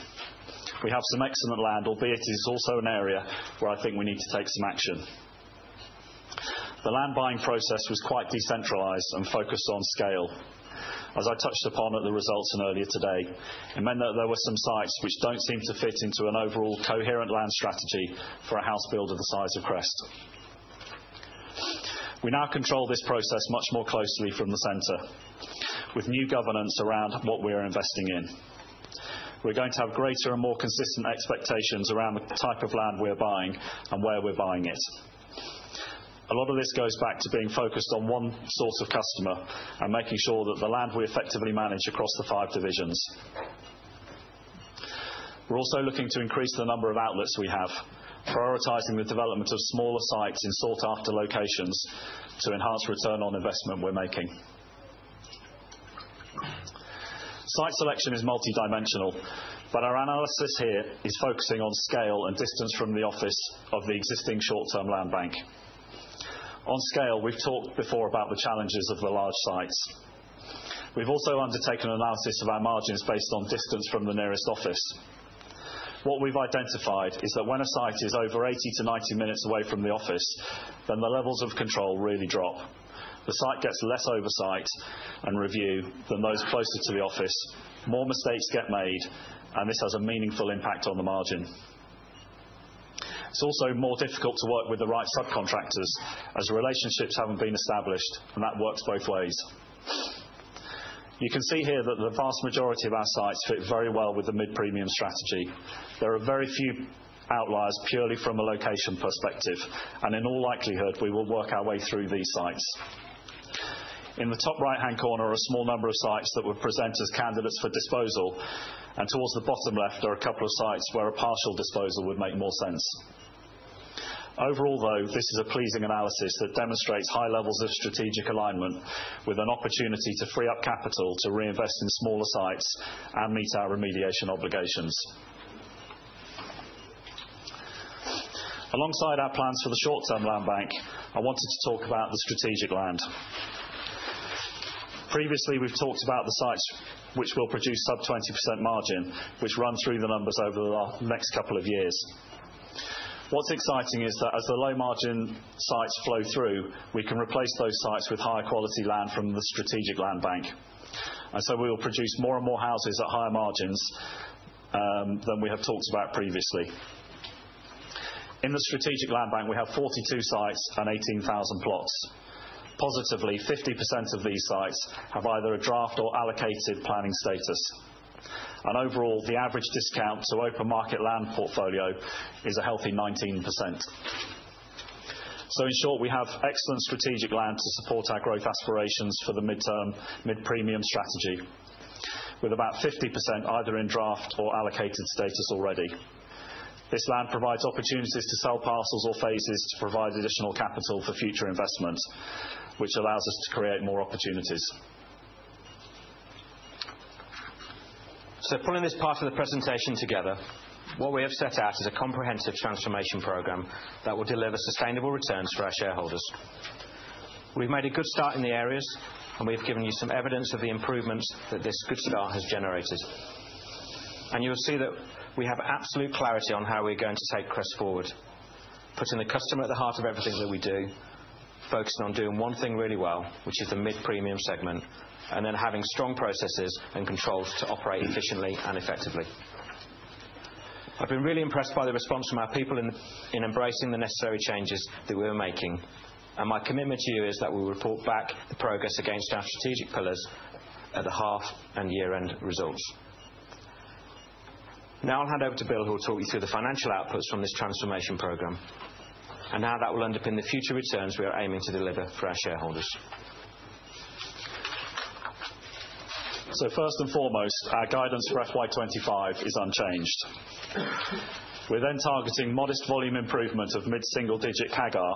We have some excellent land, albeit it is also an area where I think we need to take some action. The land buying process was quite decentralized and focused on scale. As I touched upon at the results earlier today, it meant that there were some sites which do not seem to fit into an overall coherent land strategy for a housebuilder the size of Crest. We now control this process much more closely from the center with new governance around what we are investing in. We're going to have greater and more consistent expectations around the type of land we are buying and where we're buying it. A lot of this goes back to being focused on one source of customer and making sure that the land we effectively manage across the five divisions. We're also looking to increase the number of outlets we have, prioritizing the development of smaller sites in sought-after locations to enhance return on investment we're making. Site selection is multi-dimensional, but our analysis here is focusing on scale and distance from the office of the existing short-term land bank. On scale, we've talked before about the challenges of the large sites. We've also undertaken analysis of our margins based on distance from the nearest office. What we've identified is that when a site is over 80-90 minutes away from the office, then the levels of control really drop. The site gets less oversight and review than those closer to the office. More mistakes get made, and this has a meaningful impact on the margin. It's also more difficult to work with the right subcontractors as relationships haven't been established, and that works both ways. You can see here that the vast majority of our sites fit very well with the mid-premium strategy. There are very few outliers purely from a location perspective, and in all likelihood, we will work our way through these sites. In the top right-hand corner are a small number of sites that will present as candidates for disposal, and towards the bottom left are a couple of sites where a partial disposal would make more sense. Overall, though, this is a pleasing analysis that demonstrates high levels of strategic alignment with an opportunity to free up capital to reinvest in smaller sites and meet our remediation obligations. Alongside our plans for the short-term land bank, I wanted to talk about the strategic land. Previously, we've talked about the sites which will produce sub-20% margin, which run through the numbers over the next couple of years. What's exciting is that as the low-margin sites flow through, we can replace those sites with higher quality land from the strategic land bank, and so we will produce more and more houses at higher margins than we have talked about previously. In the strategic land bank, we have 42 sites and 18,000 plots. Positively, 50% of these sites have either a draft or allocated planning status, and overall, the average discount to open market land portfolio is a healthy 19%. In short, we have excellent strategic land to support our growth aspirations for the mid-term mid-premium strategy with about 50% either in draft or allocated status already. This land provides opportunities to sell parcels or phases to provide additional capital for future investment, which allows us to create more opportunities. Pulling this part of the presentation together, what we have set out is a comprehensive transformation program that will deliver sustainable returns for our shareholders. We've made a good start in the areas, and we've given you some evidence of the improvements that this good start has generated, and you will see that we have absolute clarity on how we're going to take Crest Nicholson forward, putting the customer at the heart of everything that we do, focusing on doing one thing really well, which is the mid-premium segment, and then having strong processes and controls to operate efficiently and effectively. I've been really impressed by the response from our people in embracing the necessary changes that we were making, and my commitment to you is that we will report back the progress against our strategic pillars at the half and year-end results. Now, I'll hand over to Bill, who will talk you through the financial outputs from this transformation program and how that will underpin the future returns we are aiming to deliver for our shareholders. First and foremost, our guidance for FY2025 is unchanged. We're then targeting modest volume improvement of mid-single-digit CAGR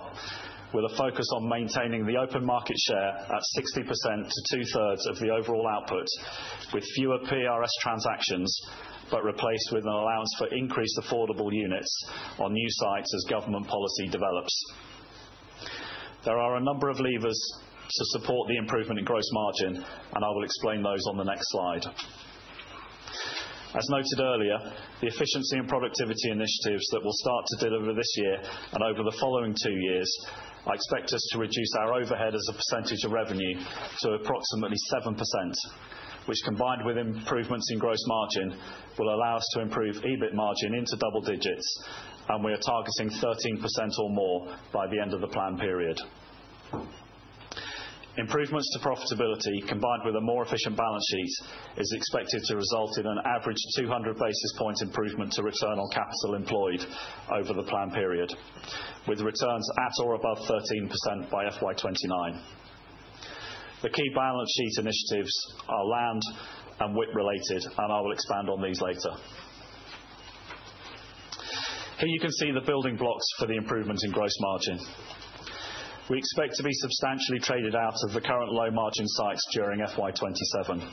with a focus on maintaining the open market share at 60%-two-thirds of the overall output, with fewer PRS transactions but replaced with an allowance for increased affordable units on new sites as government policy develops. There are a number of levers to support the improvement in gross margin, and I will explain those on the next slide. As noted earlier, the efficiency and productivity initiatives that will start to deliver this year and over the following two years, I expect us to reduce our overhead as a percentage of revenue to approximately 7%, which, combined with improvements in gross margin, will allow us to improve EBIT margin into double digits, and we are targeting 13% or more by the end of the planned period. Improvements to profitability, combined with a more efficient balance sheet, is expected to result in an average 200 basis point improvement to return on capital employed over the planned period, with returns at or above 13% by FY2029. The key balance sheet initiatives are land and WIP-related, and I will expand on these later. Here you can see the building blocks for the improvement in gross margin. We expect to be substantially traded out of the current low-margin sites during FY2027.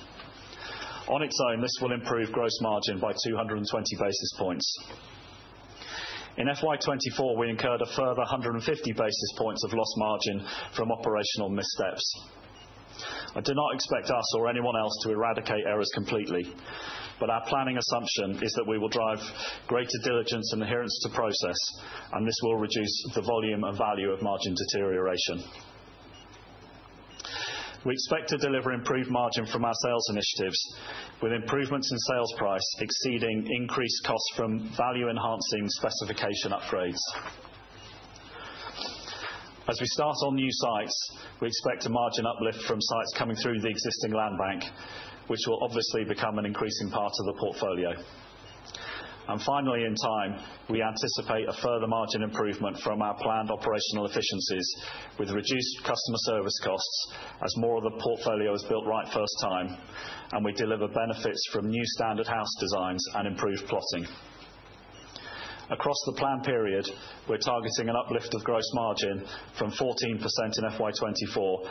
On its own, this will improve gross margin by 220 basis points. In FY2024, we incurred a further 150 basis points of lost margin from operational missteps. I do not expect us or anyone else to eradicate errors completely, but our planning assumption is that we will drive greater diligence and adherence to process, and this will reduce the volume and value of margin deterioration. We expect to deliver improved margin from our sales initiatives, with improvements in sales price exceeding increased costs from value-enhancing specification upgrades. As we start on new sites, we expect a margin uplift from sites coming through the existing land bank, which will obviously become an increasing part of the portfolio. Finally, in time, we anticipate a further margin improvement from our planned operational efficiencies with reduced customer service costs as more of the portfolio is built right first time, and we deliver benefits from new standard house designs and improved plotting. Across the planned period, we're targeting an uplift of gross margin from 14% in FY 2024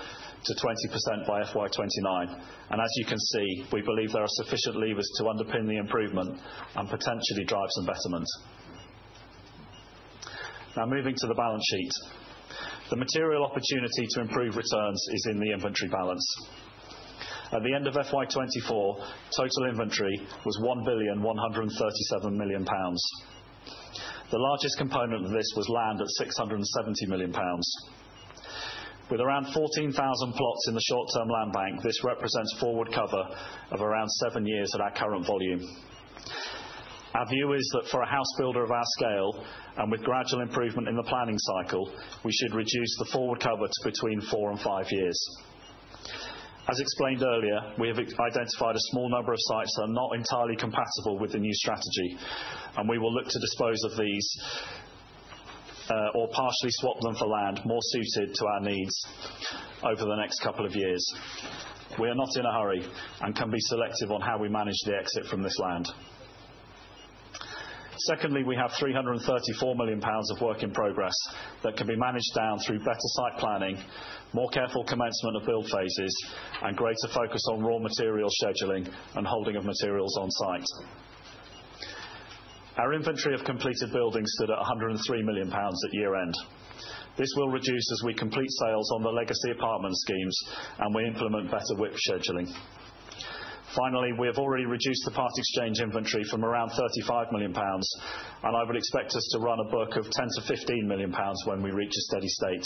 to 20% by FY 2029, and as you can see, we believe there are sufficient levers to underpin the improvement and potentially drive some betterment. Now, moving to the balance sheet, the material opportunity to improve returns is in the inventory balance. At the end of FY 2024, total inventory was 1,137 million pounds. The largest component of this was land at 670 million pounds. With around 14,000 plots in the short-term land bank, this represents forward cover of around seven years at our current volume. Our view is that for a housebuilder of our scale and with gradual improvement in the planning cycle, we should reduce the forward cover to between four and five years. As explained earlier, we have identified a small number of sites that are not entirely compatible with the new strategy, and we will look to dispose of these or partially swap them for land more suited to our needs over the next couple of years. We are not in a hurry and can be selective on how we manage the exit from this land. Secondly, we have 334 million pounds of work in progress that can be managed down through better site planning, more careful commencement of build phases, and greater focus on raw material scheduling and holding of materials on site. Our inventory of completed buildings stood at 103 million pounds at year-end. This will reduce as we complete sales on the legacy apartment schemes and we implement better WIP scheduling. Finally, we have already reduced the part exchange inventory from around 35 million pounds, and I would expect us to run a book of 10-15 million pounds when we reach a steady state.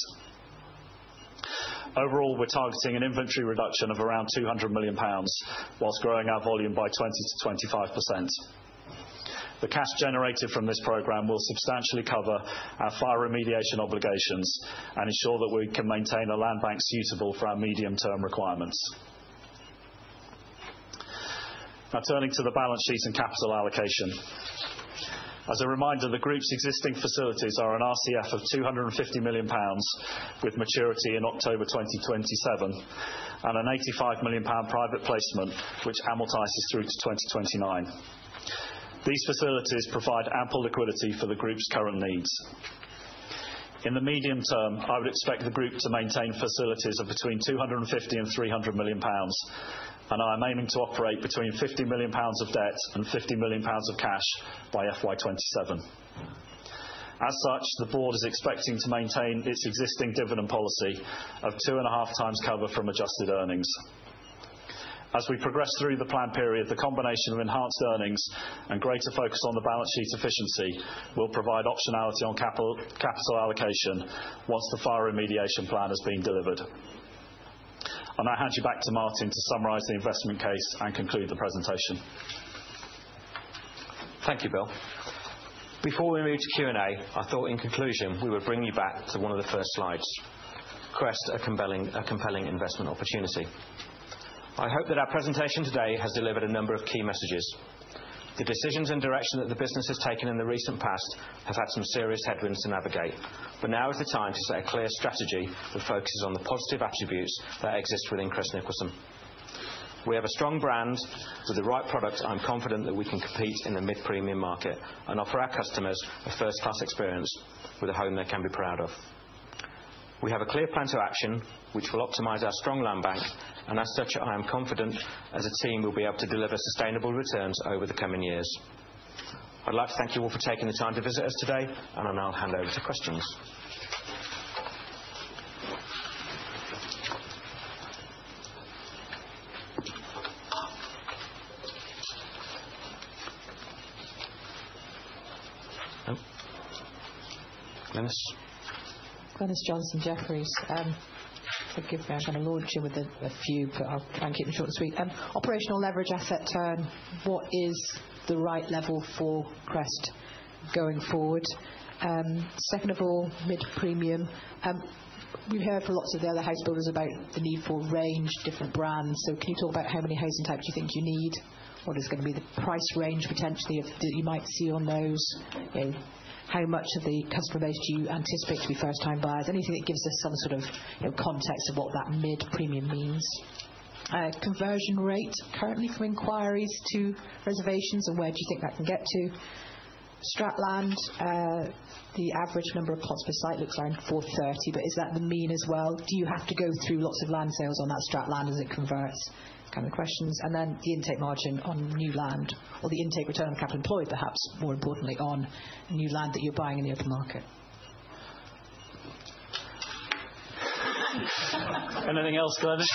Overall, we're targeting an inventory reduction of around 200 million pounds whilst growing our volume by 20-25%. The cash generated from this programme will substantially cover our fire remediation obligations and ensure that we can maintain a land bank suitable for our medium-term requirements. Now, turning to the balance sheet and capital allocation. As a reminder, the group's existing facilities are an RCF of 250 million pounds with maturity in October 2027 and an 85 million pound private placement, which amortised through to 2029. These facilities provide ample liquidity for the group's current needs. In the medium term, I would expect the group to maintain facilities of between 250 million and 300 million pounds, and I am aiming to operate between 50 million pounds of debt and 50 million pounds of cash by FY 2027. As such, the board is expecting to maintain its existing dividend policy of two and a half times cover from adjusted earnings. As we progress through the planned period, the combination of enhanced earnings and greater focus on the balance sheet efficiency will provide optionality on capital allocation once the fire remediation program has been delivered. I now hand you back to Martyn to summarize the investment case and conclude the presentation. Thank you, Bill. Before we move to Q&A, I thought in conclusion we would bring you back to one of the first slides: Crest, a compelling investment opportunity. I hope that our presentation today has delivered a number of key messages. The decisions and direction that the business has taken in the recent past have had some serious headwinds to navigate, but now is the time to set a clear strategy that focuses on the positive attributes that exist within Crest Nicholson. We have a strong brand with the right products. I'm confident that we can compete in the mid-premium market and offer our customers a first-class experience with a home they can be proud of. We have a clear plan to action, which will optimize our strong land bank, and as such, I am confident as a team we'll be able to deliver sustainable returns over the coming years. I'd like to thank you all for taking the time to visit us today, and I'll now hand over to questions. Glynis? Glynis Johnson from Jefferies. Forgive me, I'm going to launch you with a few, but I'll try and keep them short and sweet. Operational leverage asset, what is the right level for Crest going forward? Second of all, mid-premium. We've heard from lots of the other housebuilders about the need for range, different brands. Can you talk about how many housing types do you think you need? What is going to be the price range potentially that you might see on those? How much of the customer base do you anticipate to be first-time buyers? Anything that gives us some sort of context of what that mid-premium means? Conversion rate currently from inquiries to reservations and where do you think that can get to? Stratlands, the average number of plots per site looks around 430, but is that the mean as well? Do you have to go through lots of land sales on that stratland as it converts? Kind of questions. And then the intake margin on new land or the intake return on capital employed, perhaps more importantly, on new land that you're buying in the open market. Anything else, Glynis?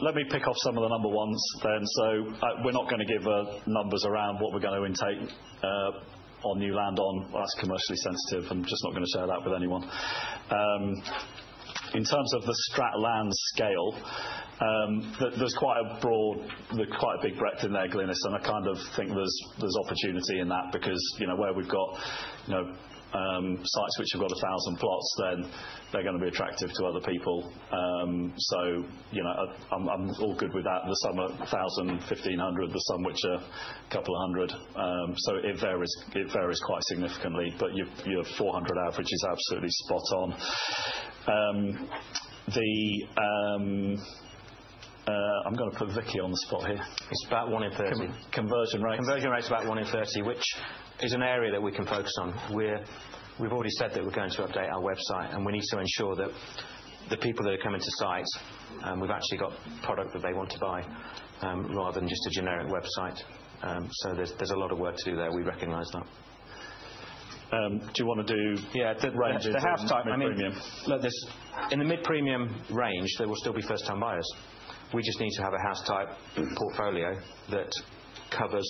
Let me pick off some of the number ones then. We're not going to give numbers around what we're going to intake on new land on. That's commercially sensitive. I'm just not going to share that with anyone. In terms of the stratlands scale, there's quite a big breadth in there, Glynis, and I kind of think there's opportunity in that because where we've got sites which have got 1,000 plots, then they're going to be attractive to other people. I'm all good with that. The sum are 1,000, 1,500, the sum which are a couple of hundred. It varies quite significantly, but your 400 average is absolutely spot on. I'm going to put Vicky on the spot here. It's about 1 in 30. Conversion rates. Conversion rates about 1 in 30, which is an area that we can focus on. We've already said that we're going to update our website, and we need to ensure that the people that are coming to sites, we've actually got product that they want to buy rather than just a generic website. There is a lot of work to do there. We recognize that. Do you want to do. Yeah, the house type and premium. In the mid-premium range, there will still be first-time buyers. We just need to have a house type portfolio that covers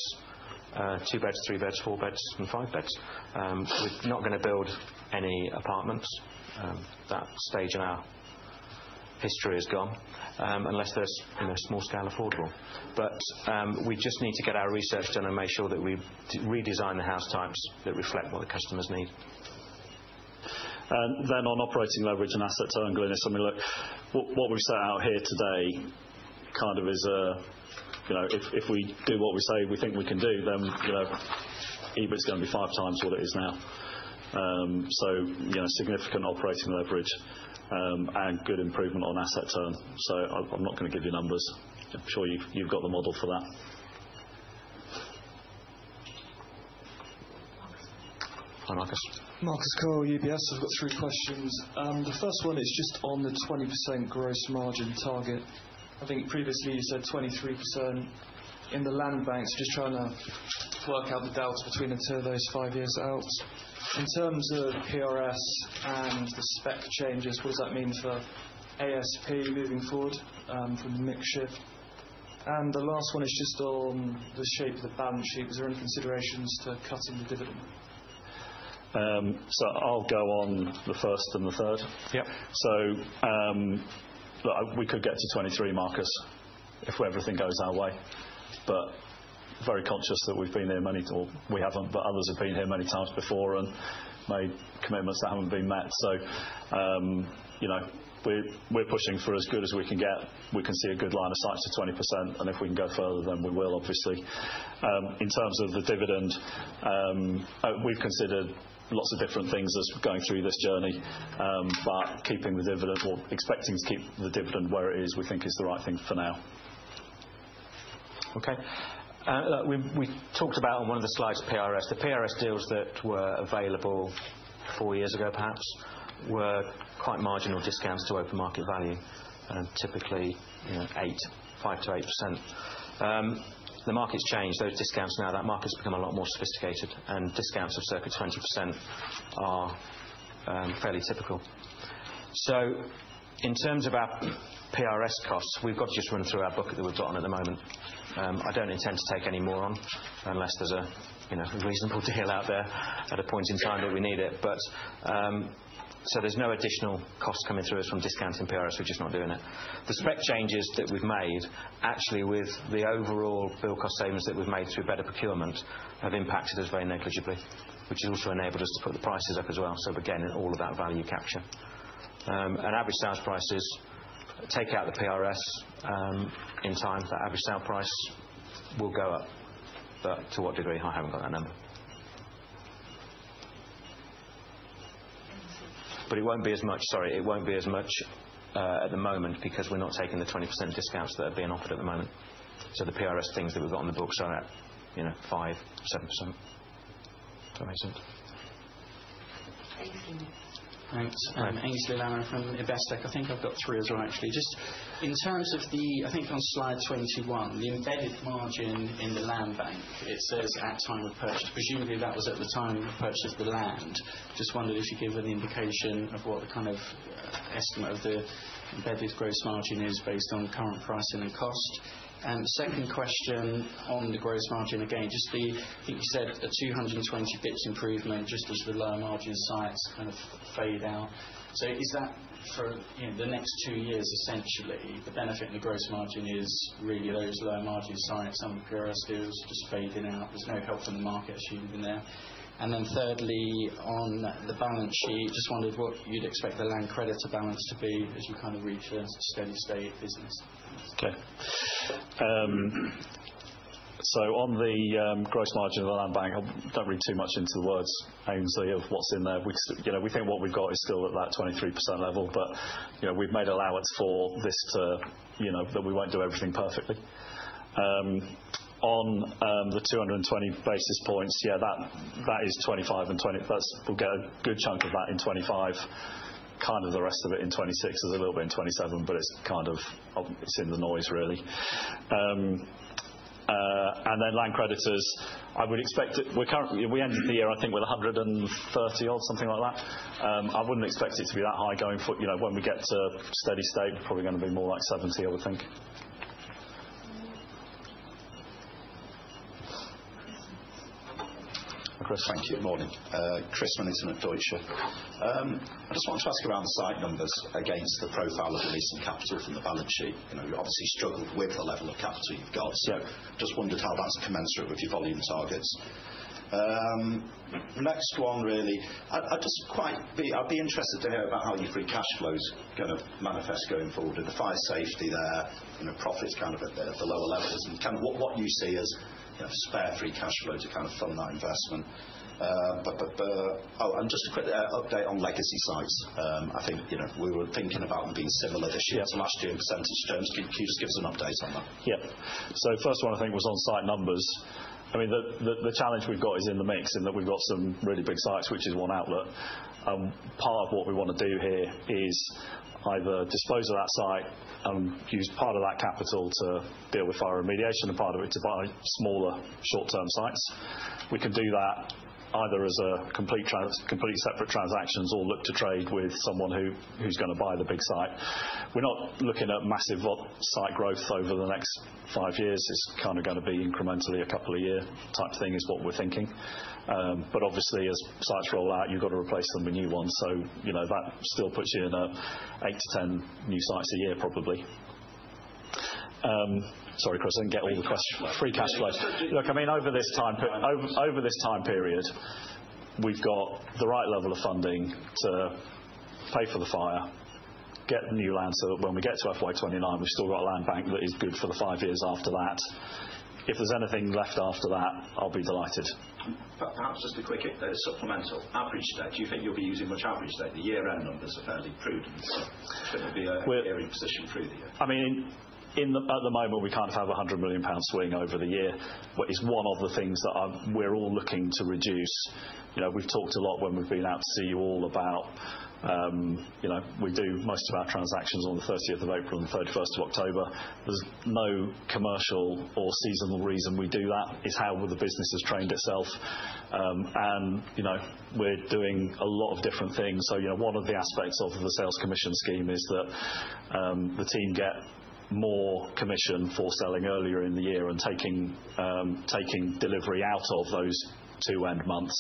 two beds, three beds, four beds, and five beds. We're not going to build any apartments. That stage in our history is gone unless there's small-scale affordable. We just need to get our research done and make sure that we redesign the house types that reflect what the customers need. On operating leverage and asset turn, Glynis, I mean, look, what we've set out here today kind of is if we do what we say we think we can do, then EBIT's going to be five times what it is now. Significant operating leverage and good improvement on asset turn. I'm not going to give you numbers. I'm sure you've got the model for that. Marcus. Marcus Cole, UBS. I've got three questions. The first one is just on the 20% gross margin target. I think previously you said 23% in the land banks. Just trying to work out the delta between the two of those five years out. In terms of PRS and the spec changes, what does that mean for ASP moving forward from the mixture? The last one is just on the shape of the balance sheet. Was there any consideration to cutting the dividend? I'll go on the first and the third. We could get to 23, Marcus, if everything goes our way. Very conscious that we've been here many—or we haven't, but others have been here many times before and made commitments that haven't been met. We're pushing for as good as we can get. We can see a good line of sight to 20%, and if we can go further, then we will, obviously. In terms of the dividend, we've considered lots of different things as going through this journey, but keeping the dividend or expecting to keep the dividend where it is, we think is the right thing for now. Okay. We talked about on one of the slides PRS. The PRS deals that were available four years ago, perhaps, were quite marginal discounts to open market value, typically 5-8%. The market's changed. Those discounts now, that market's become a lot more sophisticated, and discounts of circa 20% are fairly typical. In terms of our PRS costs, we've got to just run through our book that we've got on at the moment. I don't intend to take any more on unless there's a reasonable deal out there at a point in time that we need it. There's no additional cost coming through us from discounting PRS. We're just not doing it. The spec changes that we've made, actually, with the overall build cost savings that we've made through better procurement have impacted us very negligibly, which has also enabled us to put the prices up as well. All about value capture. And average sales prices, take out the PRS in time, that average sale price will go up. To what degree? I haven't got that number. It won't be as much at the moment because we're not taking the 20% discounts that are being offered at the moment. The PRS things that we've got in the books are at 5-7%. Does that make sense? Thanks, Glynis. Thanks. And AynsleyLanner from Investec. I think I've got three as well, actually. Just in terms of the—I think on slide 21, the embedded margin in the land bank, it says at time of purchase. Presumably, that was at the time of purchase of the land. Just wondered if you could give an indication of what the kind of estimate of the embedded gross margin is based on current pricing and cost. Second question on the gross margin, again, just the—I think you said a 220 basis points improvement just as the lower margin sites kind of fade out. Is that for the next two years, essentially, the benefit in the gross margin is really those lower margin sites on the PRS deals just fading out? There is no help from the market, assuming there. Thirdly, on the balance sheet, just wondered what you would expect the land creditor balance to be as you kind of reach a steady state business. Okay. On the gross margin of the land bank, I do not read too much into the words, Ainsley, of what is in there. We think what we have got is still at that 23% level, but we have made allowance for this to—that we will not do everything perfectly. On the 220 basis points, yes, that is 25 and 20. We will get a good chunk of that in 25. Kind of the rest of it in 26 is a little bit in 27, but it is kind of—it is in the noise, really. Then land creditors, I would expect—we ended the year, I think, with 130 odd, something like that. I would not expect it to be that high going forward. When we get to steady state, probably going to be more like 70, I would think. Chris. Thank you. Good morning. Chris, Management of Deutsche. I just wanted to ask around the site numbers against the profile of the leasing capital from the balance sheet. You obviously struggled with the level of capital you've got, so just wondered how that's commensurate with your volume targets. Next one, really, I'd just quite be—I'd be interested to hear about how your free cash flow's going to manifest going forward, the fire safety there, profits kind of at the lower levels, and kind of what you see as spare free cash flow to kind of fund that investment. Oh, and just a quick update on legacy sites. I think we were thinking about them being similar this year to last year in percentage terms. Can you just give us an update on that? Yep. First one, I think, was on site numbers. I mean, the challenge we've got is in the mix in that we've got some really big sites, which is one outlet. Part of what we want to do here is either dispose of that site and use part of that capital to deal with fire remediation and part of it to buy smaller, short-term sites. We can do that either as completely separate transactions or look to trade with someone who's going to buy the big site. We're not looking at massive site growth over the next five years. It's kind of going to be incrementally a couple of year type thing is what we're thinking. Obviously, as sites roll out, you've got to replace them with new ones. That still puts you in 8-10 new sites a year, probably. Sorry, Chris, I didn't get all the questions. Free cash flow. Look, I mean, over this time period, we've got the right level of funding to pay for the fire, get the new land so that when we get to FY2029, we've still got a land bank that is good for the five years after that. If there's anything left after that, I'll be delighted. Perhaps just a quick supplemental. Average state, do you think you'll be using much average state? The year-end numbers are fairly prudent, so it's going to be a varying position through the year. I mean, at the moment, we kind of have a 100 million pound swing over the year, which is one of the things that we're all looking to reduce. We've talked a lot when we've been out to see you all about we do most of our transactions on the 30th of April and the 31st of October. There's no commercial or seasonal reason we do that. It's how the business has trained itself. We're doing a lot of different things. One of the aspects of the sales commission scheme is that the team get more commission for selling earlier in the year and taking delivery out of those two end months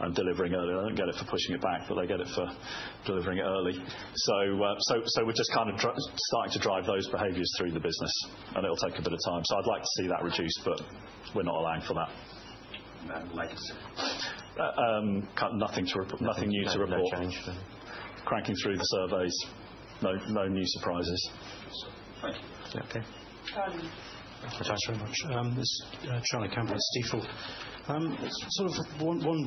and delivering earlier. They don't get it for pushing it back, but they get it for delivering it early. We're just kind of starting to drive those behaviors through the business, and it'll take a bit of time. I'd like to see that reduced, but we're not allowing for that. Legacy? Nothing new to report. Cranking through the surveys. No new surprises. Thank you. Thank you. Thank you very much. This is Charlie Campbell at Stifel. Sort of one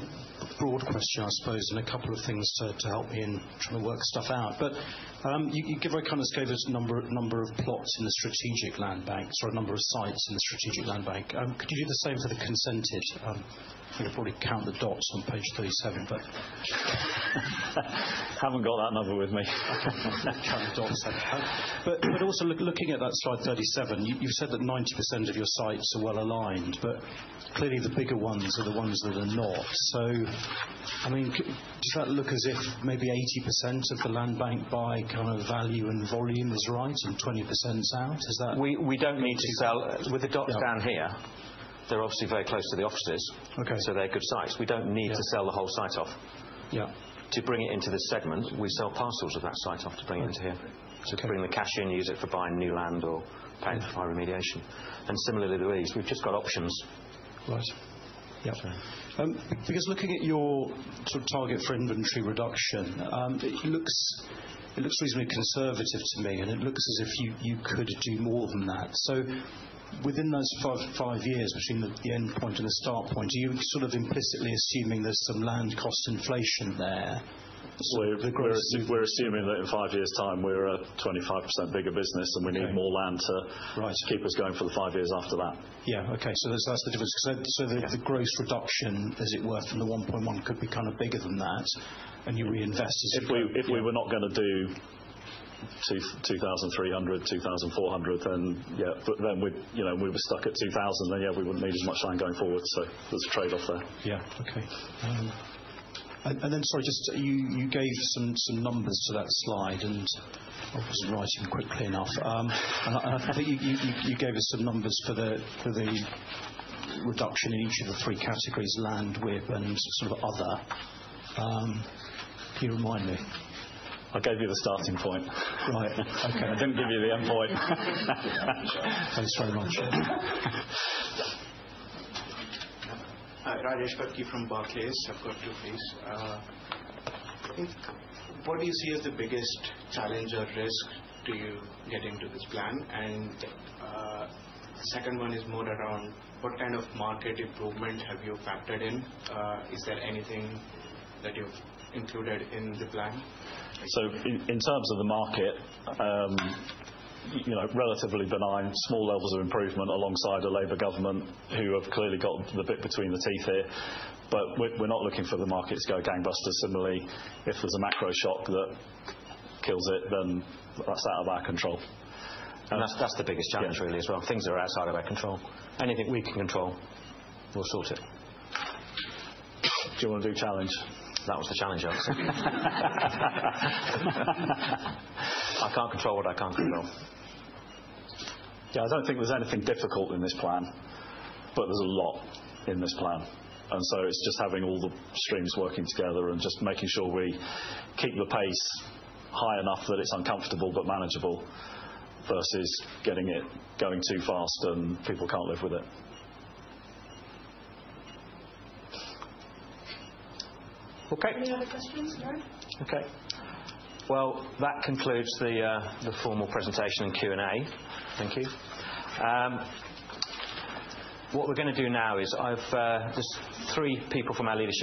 broad question, I suppose, and a couple of things to help me in trying to work stuff out. You kind of gave us a number of plots in the strategic land banks or a number of sites in the strategic land bank. Could you do the same for the consented? You probably count the dots on page 37, but I have not got that number with me. I am not counting the dots. Also, looking at that slide 37, you have said that 90% of your sites are well aligned, but clearly the bigger ones are the ones that are not. I mean, does that look as if maybe 80% of the land bank by kind of value and volume is right and 20% out? Is that? We do not need to sell. With the dots down here, they are obviously very close to the offices, so they are good sites. We don't need to sell the whole site off. To bring it into this segment, we sell parcels of that site off to bring it into here. To bring the cash in, use it for buying new land or paying for fire remediation. Similarly, the lease. We've just got options. Right. Yep. Because looking at your sort of target for inventory reduction, it looks reasonably conservative to me, and it looks as if you could do more than that. Within those five years between the end point and the start point, are you sort of implicitly assuming there's some land cost inflation there? We're assuming that in five years' time, we're a 25% bigger business, and we need more land to keep us going for the five years after that. Yeah. Okay. That's the difference. The gross reduction, as it were, from the 1.1 could be kind of bigger than that, and you reinvest as you go. If we were not going to do 2,300-2,400, then yeah. If we were stuck at 2,000, then yeah, we would not need as much land going forward. There is a trade-off there. Okay. Sorry, just you gave some numbers to that slide, and I was not writing quickly enough. I think you gave us some numbers for the reduction in each of the three categories: land, WIP, and sort of other. Can you remind me? I gave you the starting point. Right. I did not give you the end point. Thanks very much. Hi, Dariusz Kopki from Barclays. I have got two things. What do you see as the biggest challenge or risk to you getting to this plan? The second one is more around what kind of market improvement have you factored in? Is there anything that you've included in the plan? In terms of the market, relatively benign, small levels of improvement alongside a Labour government who have clearly got the bit between the teeth here. We're not looking for the market to go gangbusters. Similarly, if there's a macro shock that kills it, then that's out of our control. That's the biggest challenge, really, as well. Things that are outside of our control. Anything we can control, we'll sort it. Do you want to do challenge? That was the challenge answer. I can't control what I can't control. Yeah. I don't think there's anything difficult in this plan, but there's a lot in this plan. It is just having all the streams working together and just making sure we keep the pace high enough that it is uncomfortable but manageable versus getting it going too fast and people cannot live with it. Okay. Any other questions? No? Okay. That concludes the formal presentation and Q&A. Thank you. What we are going to do now is there are three people from our leadership.